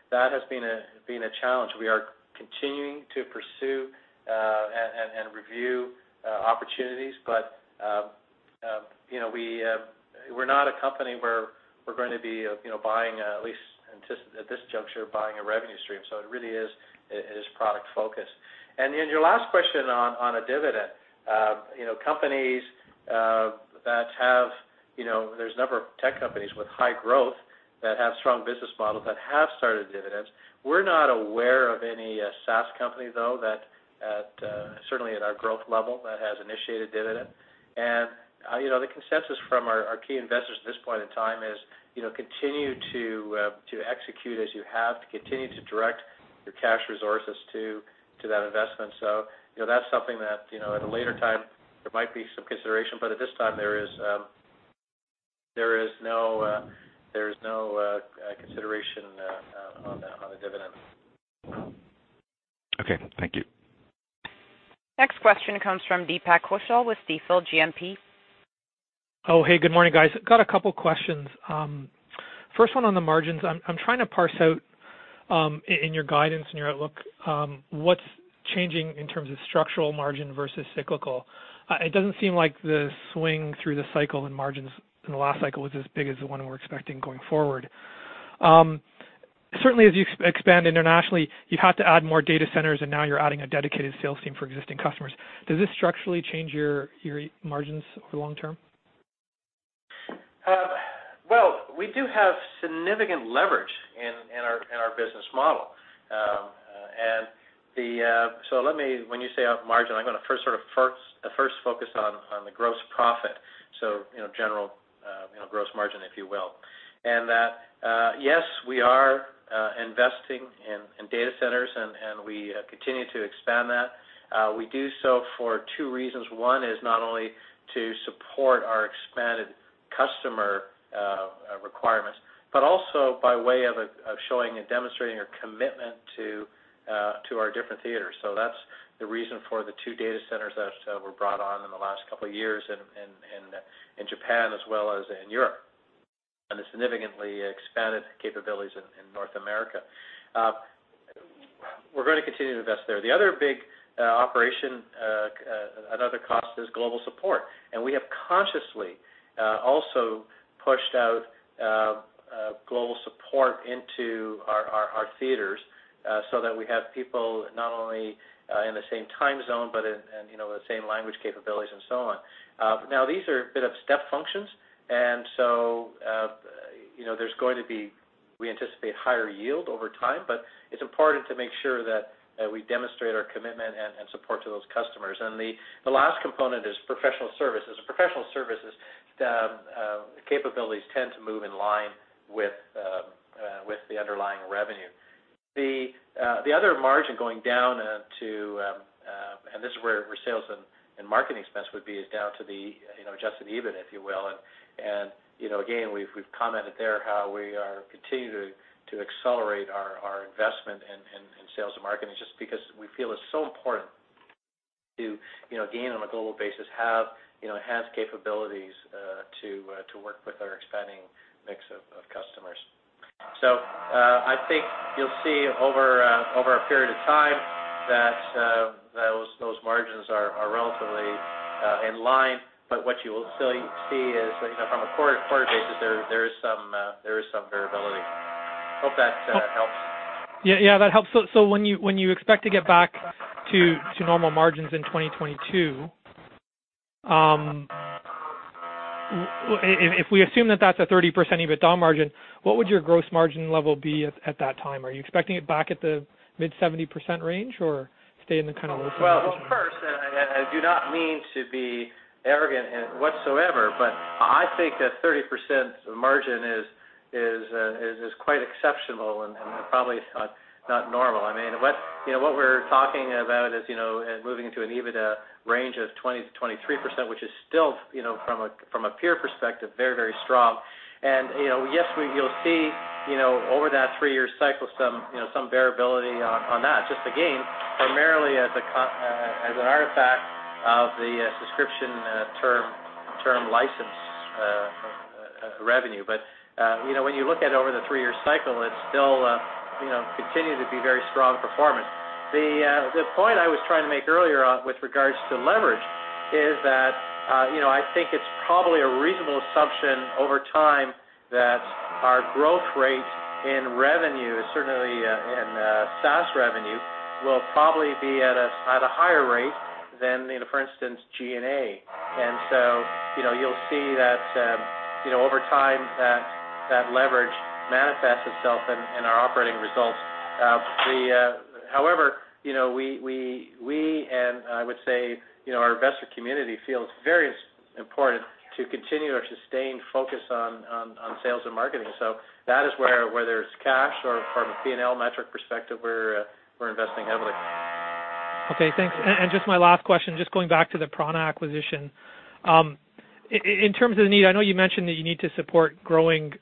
C: that has been a challenge. We are continuing to pursue and review opportunities. We're not a company where we're going to be, at least at this juncture, buying a revenue stream. It really is product-focused. Your last question on a dividend. There's a number of tech companies with high growth that have strong business models that have started dividends. We're not aware of any SaaS company, though, certainly at our growth level, that has initiated a dividend. The consensus from our key investors at this point in time is continue to execute as you have, to continue to direct your cash resources to that investment. That's something that, at a later time, there might be some consideration, but at this time, there is no consideration on a dividend.
J: Okay. Thank you.
A: Next question comes from Deepak Kaushal with Stifel GMP.
K: Oh, hey, good morning, guys. Got a couple questions. First one on the margins. I'm trying to parse out, in your guidance and your outlook, what's changing in terms of structural margin versus cyclical. It doesn't seem like the swing through the cycle and margins in the last cycle was as big as the one we're expecting going forward. Certainly, as you expand internationally, you've had to add more data centers, and now you're adding a dedicated sales team for existing customers. Does this structurally change your margins over long term?
C: Well, we do have significant leverage in our business model. When you say on margin, I'm going to first focus on the gross profit, so general gross margin, if you will. That, yes, we are investing in data centers, and we continue to expand that. We do so for two reasons. One is not only to support our expanded customer requirements, but also by way of showing and demonstrating a commitment to our different theaters. That's the reason for the two data centers that were brought on in the last couple of years in Japan as well as in Europe, and the significantly expanded capabilities in North America. We're going to continue to invest there. The other big operation, another cost, is global support. We have consciously also pushed out global support into our theaters so that we have people not only in the same time zone, but in the same language capabilities and so on. These are a bit of step functions, and so there's going to be, we anticipate, higher yield over time, but it's important to make sure that we demonstrate our commitment and support to those customers. The last component is professional services. Professional services capabilities tend to move in line with the underlying revenue. The other margin going down, and this is where sales and marketing expense would be, is down to the Adjusted EBIT, if you will. Again, we've commented there how we are continuing to accelerate our investment in sales and marketing, just because we feel it's so important to, again, on a global basis, have capabilities to work with our expanding mix of customers. I think you'll see over a period of time that those margins are relatively in line. What you will still see is from a quarter basis, there is some variability. Hope that helps.
K: Yeah, that helps. When you expect to get back to normal margins in 2022, if we assume that that's a 30% EBITDA margin, what would your gross margin level be at that time? Are you expecting it back at the mid 70% range, or stay in the kind of low 60s?
D: Well, first, and I do not mean to be arrogant whatsoever, but I think a 30% margin is quite exceptional and probably not normal. What we're talking about is moving into an EBITDA range of 20%-23%, which is still, from a peer perspective, very strong. Yes, you'll see over that three-year cycle some variability on that, just again, primarily as an artifact of the subscription term license revenue. When you look at it over the three-year cycle, it still continues to be very strong performance. The point I was trying to make earlier with regards to leverage is that I think it's probably a reasonable assumption over time that our growth rate in revenue, certainly in SaaS revenue, will probably be at a higher rate than, for instance, G&A. You'll see that over time, that leverage manifests itself in our operating results. However, we, and I would say our investor community, feels it very important to continue our sustained focus on sales and marketing. That is where, whether it's cash or from a P&L metric perspective, we're investing heavily.
K: Okay, thanks. Just my last question, just going back to the Prana acquisition. In terms of the need, I know you mentioned that you need to support growing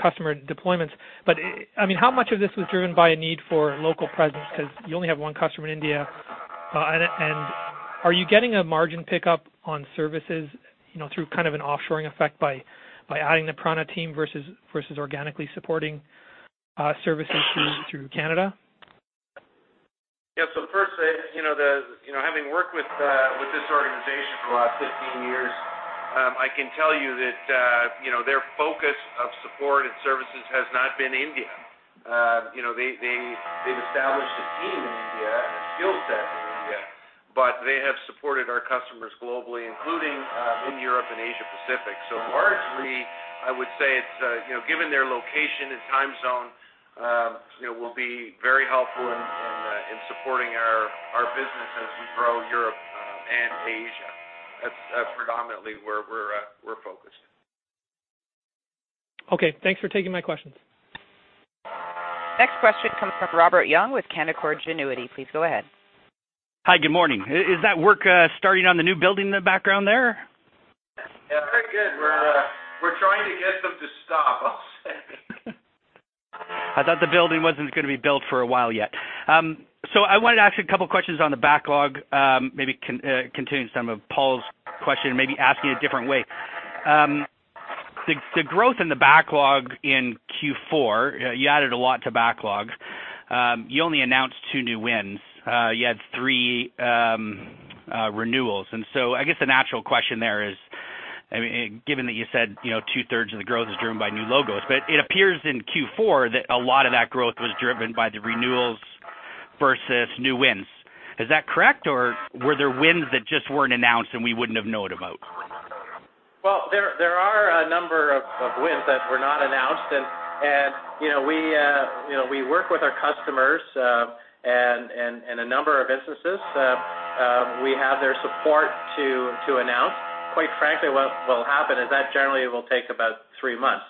K: customer deployments, but how much of this was driven by a need for local presence? Because you only have one customer in India. Are you getting a margin pickup on services through kind of an offshoring effect by adding the Prana team versus organically supporting services through Canada?
C: Yeah. First, having worked with this organization for the last 15 years, I can tell you that their focus of support and services has not been India. They've established a team in India and a skill set in India, but they have supported our customers globally, including in Europe and Asia Pacific. Largely, I would say given their location and time zone, will be very helpful in supporting our business as we grow Europe and Asia. That's predominantly where we're focused.
K: Okay, thanks for taking my questions.
A: Next question comes from Robert Young with Canaccord Genuity. Please go ahead.
L: Hi, good morning. Is that work starting on the new building in the background there?
D: Yeah, very good. We're trying to get them to stop, I'll say.
L: I thought the building wasn't going to be built for a while yet. I wanted to ask you a couple questions on the backlog, maybe continuing some of Paul's question, maybe asking a different way. The growth in the backlog in Q4, you added a lot to backlog. You only announced two new wins. You had three renewals. I guess the natural question there is, given that you said 2/3 of the growth is driven by new logos, but it appears in Q4 that a lot of that growth was driven by the renewals versus new wins. Is that correct, or were there wins that just weren't announced and we wouldn't have known about?
D: Well, there are a number of wins that were not announced, and we work with our customers, and a number of instances, we have their support to announce. Quite frankly, what will happen is that generally will take about three months.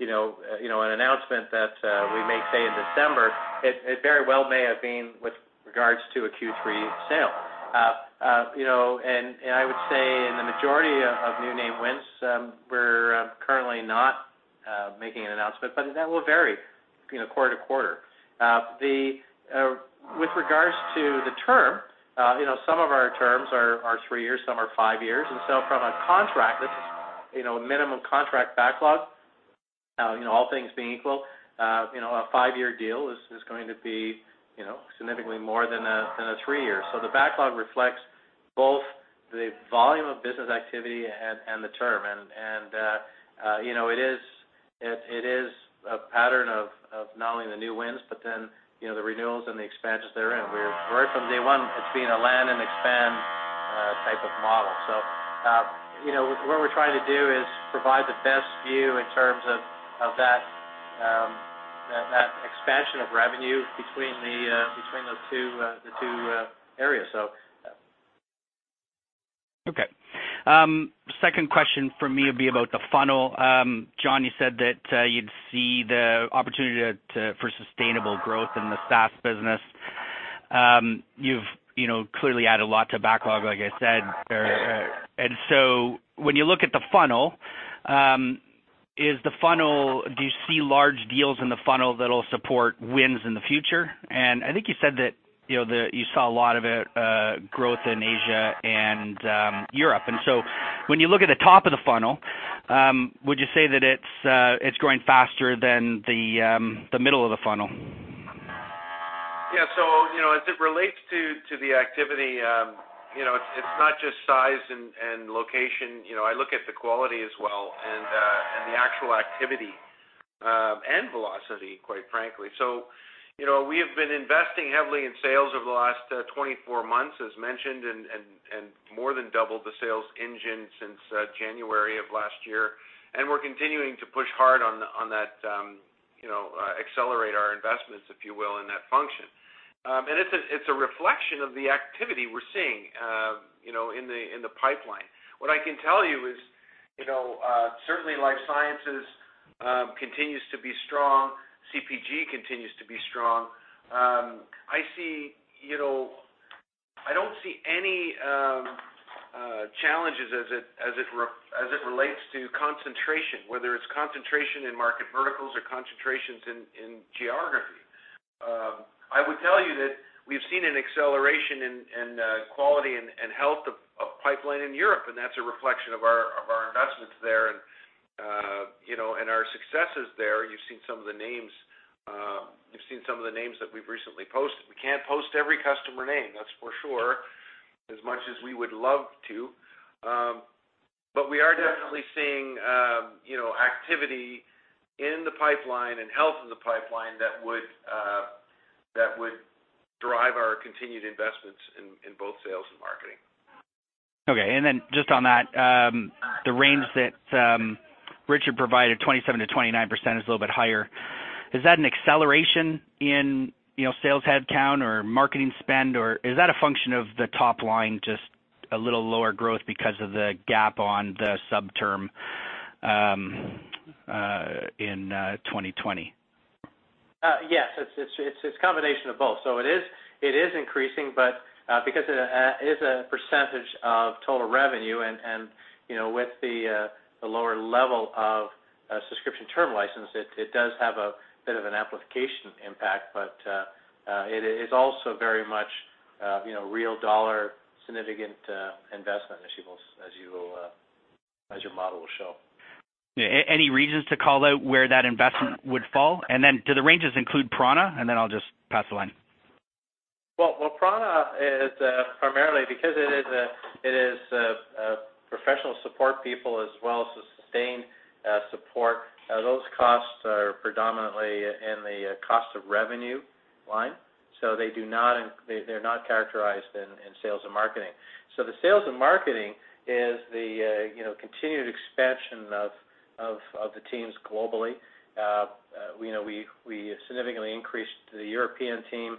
D: An announcement that we may say in December, it very well may have been with regards to a Q3 sale. I would say in the majority of new name wins, we're currently not making an announcement, but that will vary quarter to quarter. With regards to the term, some of our terms are three years, some are five years. From a contract, a minimum contract backlog, all things being equal, a five-year deal is going to be significantly more than a three-year. The backlog reflects both the volume of business activity and the term. It is a pattern of not only the new wins, but then the renewals and the expansions therein. Right from day one, it's been a land and expand type of model. What we're trying to do is provide the best view in terms of that expansion of revenue between the two areas.
L: Okay. Second question from me would be about the funnel. John, you said that you'd see the opportunity for sustainable growth in the SaaS business. You've clearly added a lot to backlog, like I said. When you look at the funnel, do you see large deals in the funnel that'll support wins in the future? I think you said that you saw a lot of growth in Asia and Europe. When you look at the top of the funnel, would you say that it's growing faster than the middle of the funnel?
C: As it relates to the activity, it's not just size and location. I look at the quality as well, and the actual activity, and velocity, quite frankly. We have been investing heavily in sales over the last 24 months, as mentioned, and more than doubled the sales engine since January of last year. We're continuing to push hard on that, accelerate our investments, if you will, in that function. It's a reflection of the activity we're seeing in the pipeline. What I can tell you is, certainly life sciences continues to be strong. CPG continues to be strong. I don't see any challenges as it relates to concentration, whether it's concentration in market verticals or concentrations in geography. I would tell you that we've seen an acceleration in quality and health of pipeline in Europe, and that's a reflection of our investments there and our successes there. You've seen some of the names that we've recently posted. We can't post every customer name, that's for sure, as much as we would love to. We are definitely seeing activity in the pipeline and health in the pipeline that would drive our continued investments in both sales and marketing.
L: Okay. Just on that, the range that Richard provided, 27%-29%, is a little bit higher. Is that an acceleration in sales headcount or marketing spend, or is that a function of the top line, just a little lower growth because of the gap on the sub-term in 2020?
D: Yes. It's a combination of both. It is increasing, but because it is a percentage of total revenue, and with the lower level of subscription term license, it does have a bit of an amplification impact. It is also very much real dollar significant investment as your model will show.
L: Any reasons to call out where that investment would fall? Do the ranges include Prana? I'll just pass the line.
D: Well, Prana is primarily because it is professional support people as well as the sustained support. Those costs are predominantly in the cost of revenue line. They're not characterized in sales and marketing. The sales and marketing is the continued expansion of the teams globally. We significantly increased the European team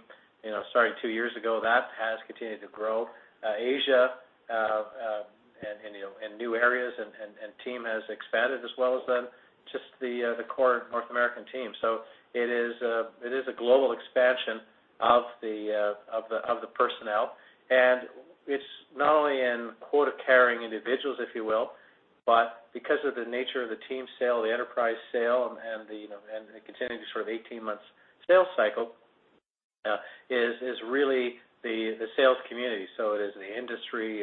D: starting two years ago. That has continued to grow. Asia, and new areas, and team has expanded as well as just the core North American team. It is a global expansion of the personnel, and it's not only in quota-carrying individuals, if you will, but because of the nature of the team sale, the enterprise sale, and the continuing sort of 18-months sales cycle, is really the sales community. It is the industry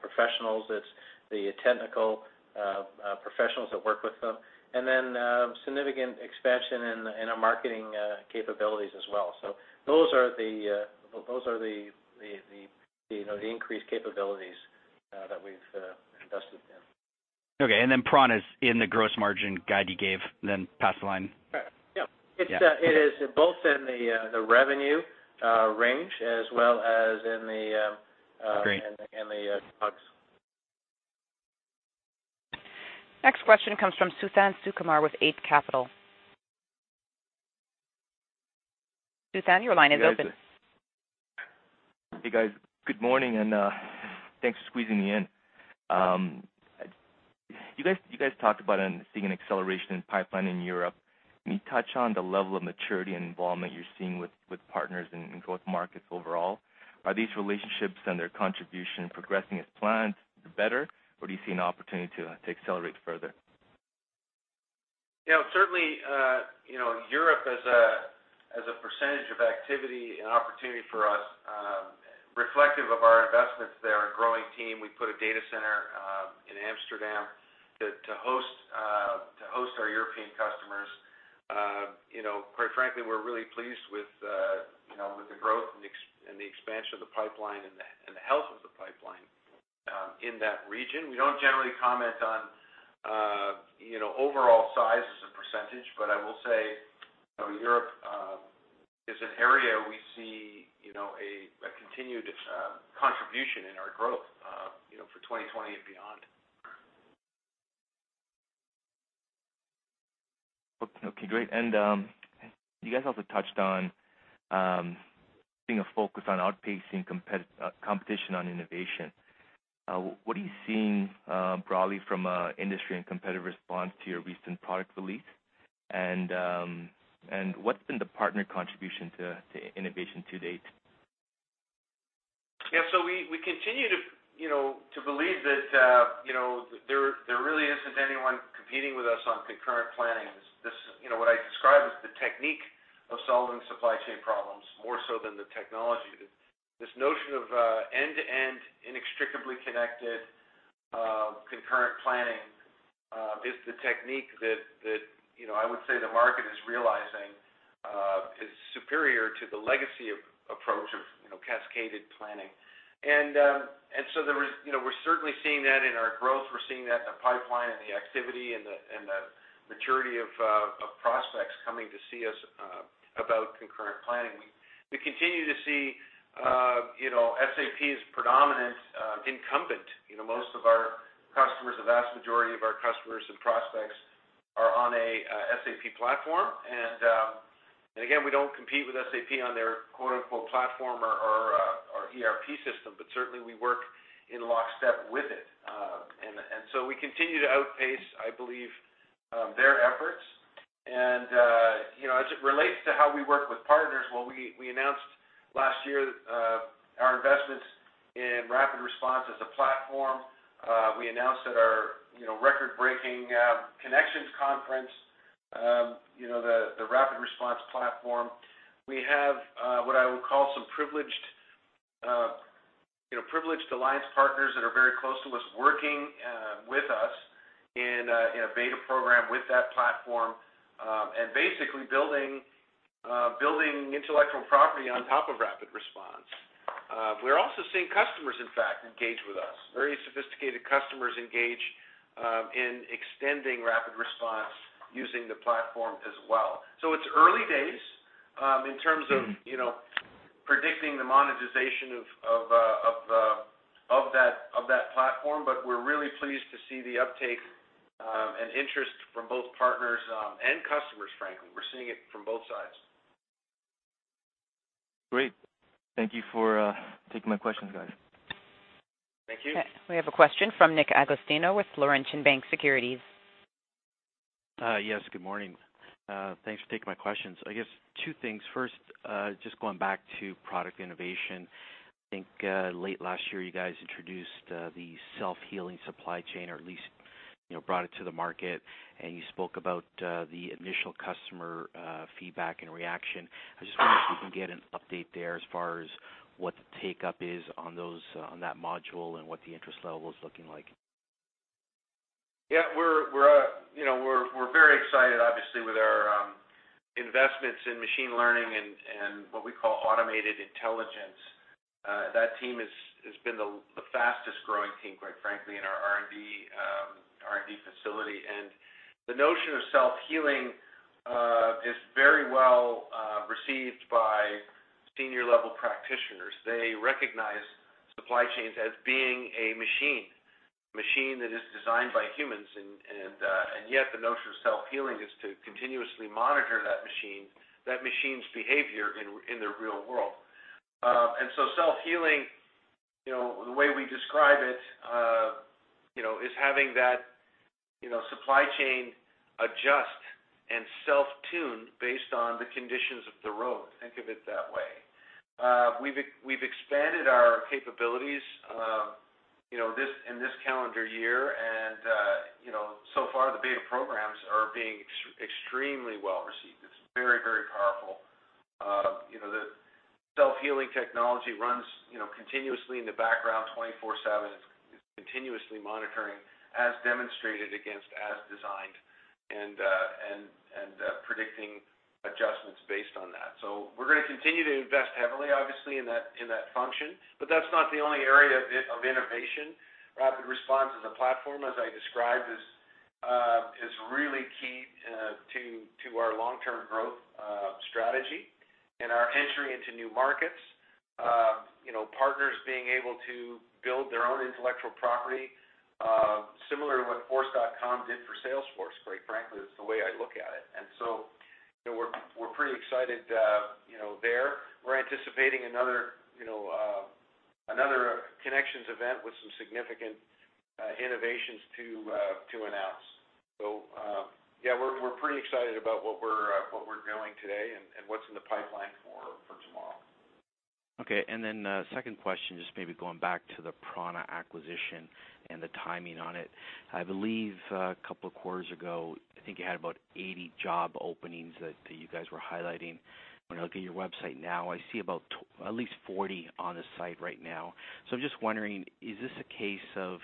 D: professionals, it's the technical professionals that work with them. Significant expansion in our marketing capabilities as well. Those are the increased capabilities that we've invested in.
L: Okay, Prana is in the gross margin guide you gave. Pass the line.
D: Yeah.
L: Yeah.
D: It is both in the revenue range as well as in the.
L: Great.
D: In the COGS.
A: Next question comes from Suthan Sukumar with Eight Capital. Suthan, your line is open.
M: Hey, guys. Good morning, and thanks for squeezing me in. You guys talked about seeing an acceleration in pipeline in Europe. Can you touch on the level of maturity and involvement you're seeing with partners in growth markets overall? Are these relationships and their contribution progressing as planned, better, or do you see an opportunity to accelerate further?
C: Certainly, Europe as a percentage of activity and opportunity for us, reflective of our investments there and growing team. We put a data center in Amsterdam to host our European customers. Quite frankly, we're really pleased with the growth and the expansion of the pipeline and the health of the pipeline in that region. We don't generally comment on overall size as a percentage, but I will say Europe is an area we see a continued contribution in our growth for 2020 and beyond.
M: Okay, great. You guys also touched on seeing a focus on outpacing competition on innovation. What are you seeing broadly from an industry and competitive response to your recent product release? What's been the partner contribution to innovation to date?
C: Yeah, we continue to believe that there really isn't anyone competing with us on concurrent planning. What I describe is the technique of solving supply chain problems more so than the technology. This notion of end-to-end, inextricably connected, concurrent planning is the technique that I would say the market is realizing is superior to the legacy approach of cascaded planning. We're certainly seeing that in our growth. We're seeing that in the pipeline and the activity and the maturity of prospects coming to see us about concurrent planning. We continue to see SAP's predominant incumbent. Most of our customers, the vast majority of our customers and prospects are on an SAP platform. Again, we don't compete with SAP on their "platform" or ERP system, certainly we work in lockstep with it. We continue to outpace, I believe, their efforts. As it relates to how we work with partners, well, we announced last year our investments in RapidResponse as a platform. We announced at our record-breaking Kinexions conference, the RapidResponse platform. We have what I would call some privileged alliance partners that are very close to us, working with us in a beta program with that platform, and basically building intellectual property on top of RapidResponse. We are also seeing customers, in fact, engage with us. Very sophisticated customers engage in extending RapidResponse using the platform as well. It is early days in terms of predicting the monetization of that platform, but we are really pleased to see the uptake and interest from both partners and customers, frankly. We are seeing it from both sides.
M: Great. Thank you for taking my questions, guys.
C: Thank you.
A: We have a question from Nick Agostino with Laurentian Bank Securities.
N: Yes. Good morning. Thanks for taking my questions. I guess two things. First, just going back to product innovation. I think late last year, you guys introduced the Self-Healing Supply Chain, or at least brought it to the market, and you spoke about the initial customer feedback and reaction. I just wonder if we can get an update there as far as what the take-up is on that module and what the interest level is looking like.
C: Yeah, we're very excited, obviously, with our investments in machine learning and what we call automated intelligence. That team has been the fastest-growing team, quite frankly, in our R&D facility. The notion of Self-Healing is very well received by senior-level practitioners. They recognize supply chains as being a machine. A machine that is designed by humans, yet the notion of Self-Healing is to continuously monitor that machine's behavior in the real world. So Self-Healing, the way we describe it, is having that supply chain adjust and self-tune based on the conditions of the road. Think of it that way. We've expanded our capabilities in this calendar year, so far the beta programs are being extremely well received. It's very powerful. The Self-Healing technology runs continuously in the background 24/7. It's continuously monitoring, as demonstrated against as designed, predicting adjustments based on that. We're going to continue to invest heavily, obviously, in that function. That's not the only area of innovation. RapidResponse as a platform, as I described, is really key to our long-term growth strategy and our entry into new markets. Partners being able to build their own intellectual property, similar to what Force.com did for Salesforce, quite frankly, is the way I look at it. We're pretty excited there. We're anticipating another Kinexions event with some significant innovations to announce. Yeah, we're pretty excited about what we're doing today and what's in the pipeline for tomorrow.
N: Okay, second question, just maybe going back to the Prana acquisition and the timing on it. I believe a couple of quarters ago, I think you had about 80 job openings that you guys were highlighting. When I look at your website now, I see at least 40 on the site right now. I'm just wondering, is this a case of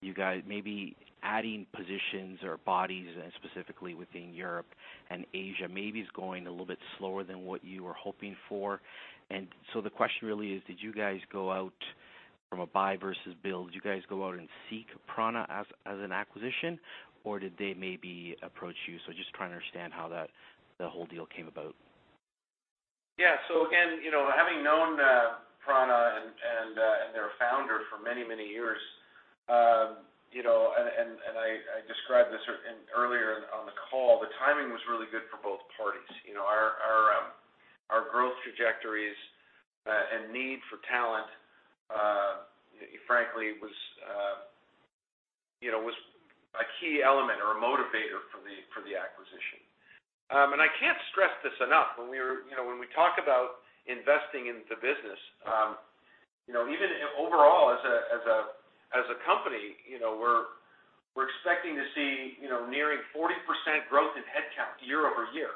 N: you guys maybe adding positions or bodies, and specifically within Europe and Asia, maybe it's going a little bit slower than what you were hoping for. The question really is, did you guys go out from a buy versus build? Did you guys go out and seek Prana as an acquisition, or did they maybe approach you? Just trying to understand how that whole deal came about.
C: Yeah. Again, having known Prana and their founder for many years, and I described this earlier on the call, the timing was really good for both parties. Our growth trajectories and need for talent, frankly, was a key element or a motivator for the acquisition. I can't stress this enough, when we talk about investing in the business, even overall as a company, we're expecting to see nearing 40% growth in headcount year-over-year.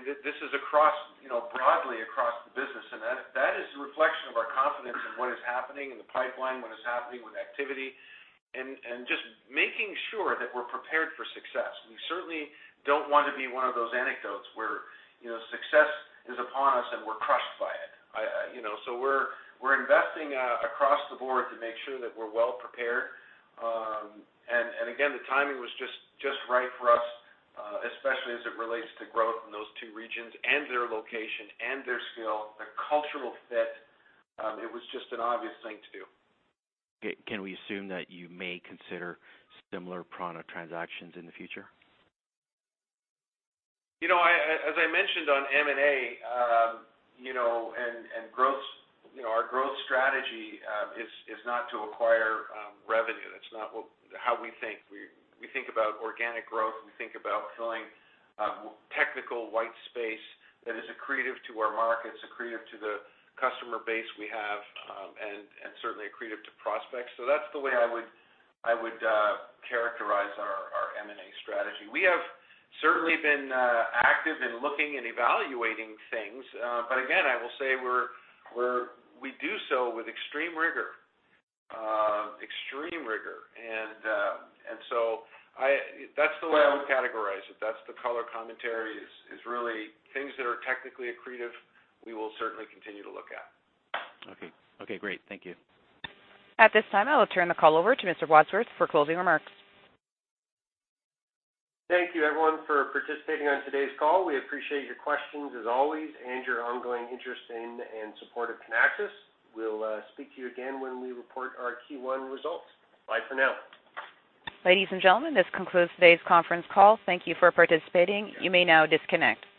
C: This is broadly across the business, and that is a reflection of our confidence in what is happening in the pipeline, what is happening with activity, and just making sure that we're prepared for success. We certainly don't want to be one of those anecdotes where success is upon us and we're crushed by it. We're investing across the board to make sure that we're well-prepared. Again, the timing was just right for us, especially as it relates to growth in those two regions and their location and their skill, the cultural fit. It was just an obvious thing to do.
N: Can we assume that you may consider similar Prana transactions in the future?
C: As I mentioned on M&A, our growth strategy is not to acquire revenue. That's not how we think. We think about organic growth. We think about filling technical white space that is accretive to our markets, accretive to the customer base we have, and certainly accretive to prospects. That's the way I would characterize our M&A strategy. We have certainly been active in looking and evaluating things. Again, I will say we do so with extreme rigor. That's the way I would categorize it. That's the color commentary, is really things that are technically accretive, we will certainly continue to look at.
N: Okay, great. Thank you.
A: At this time, I will turn the call over to Mr. Wadsworth for closing remarks.
B: Thank you everyone for participating on today's call. We appreciate your questions as always and your ongoing interest in and support of Kinaxis. We'll speak to you again when we report our Q1 results. Bye for now.
A: Ladies and gentlemen, this concludes today's conference call. Thank you for participating. You may now disconnect.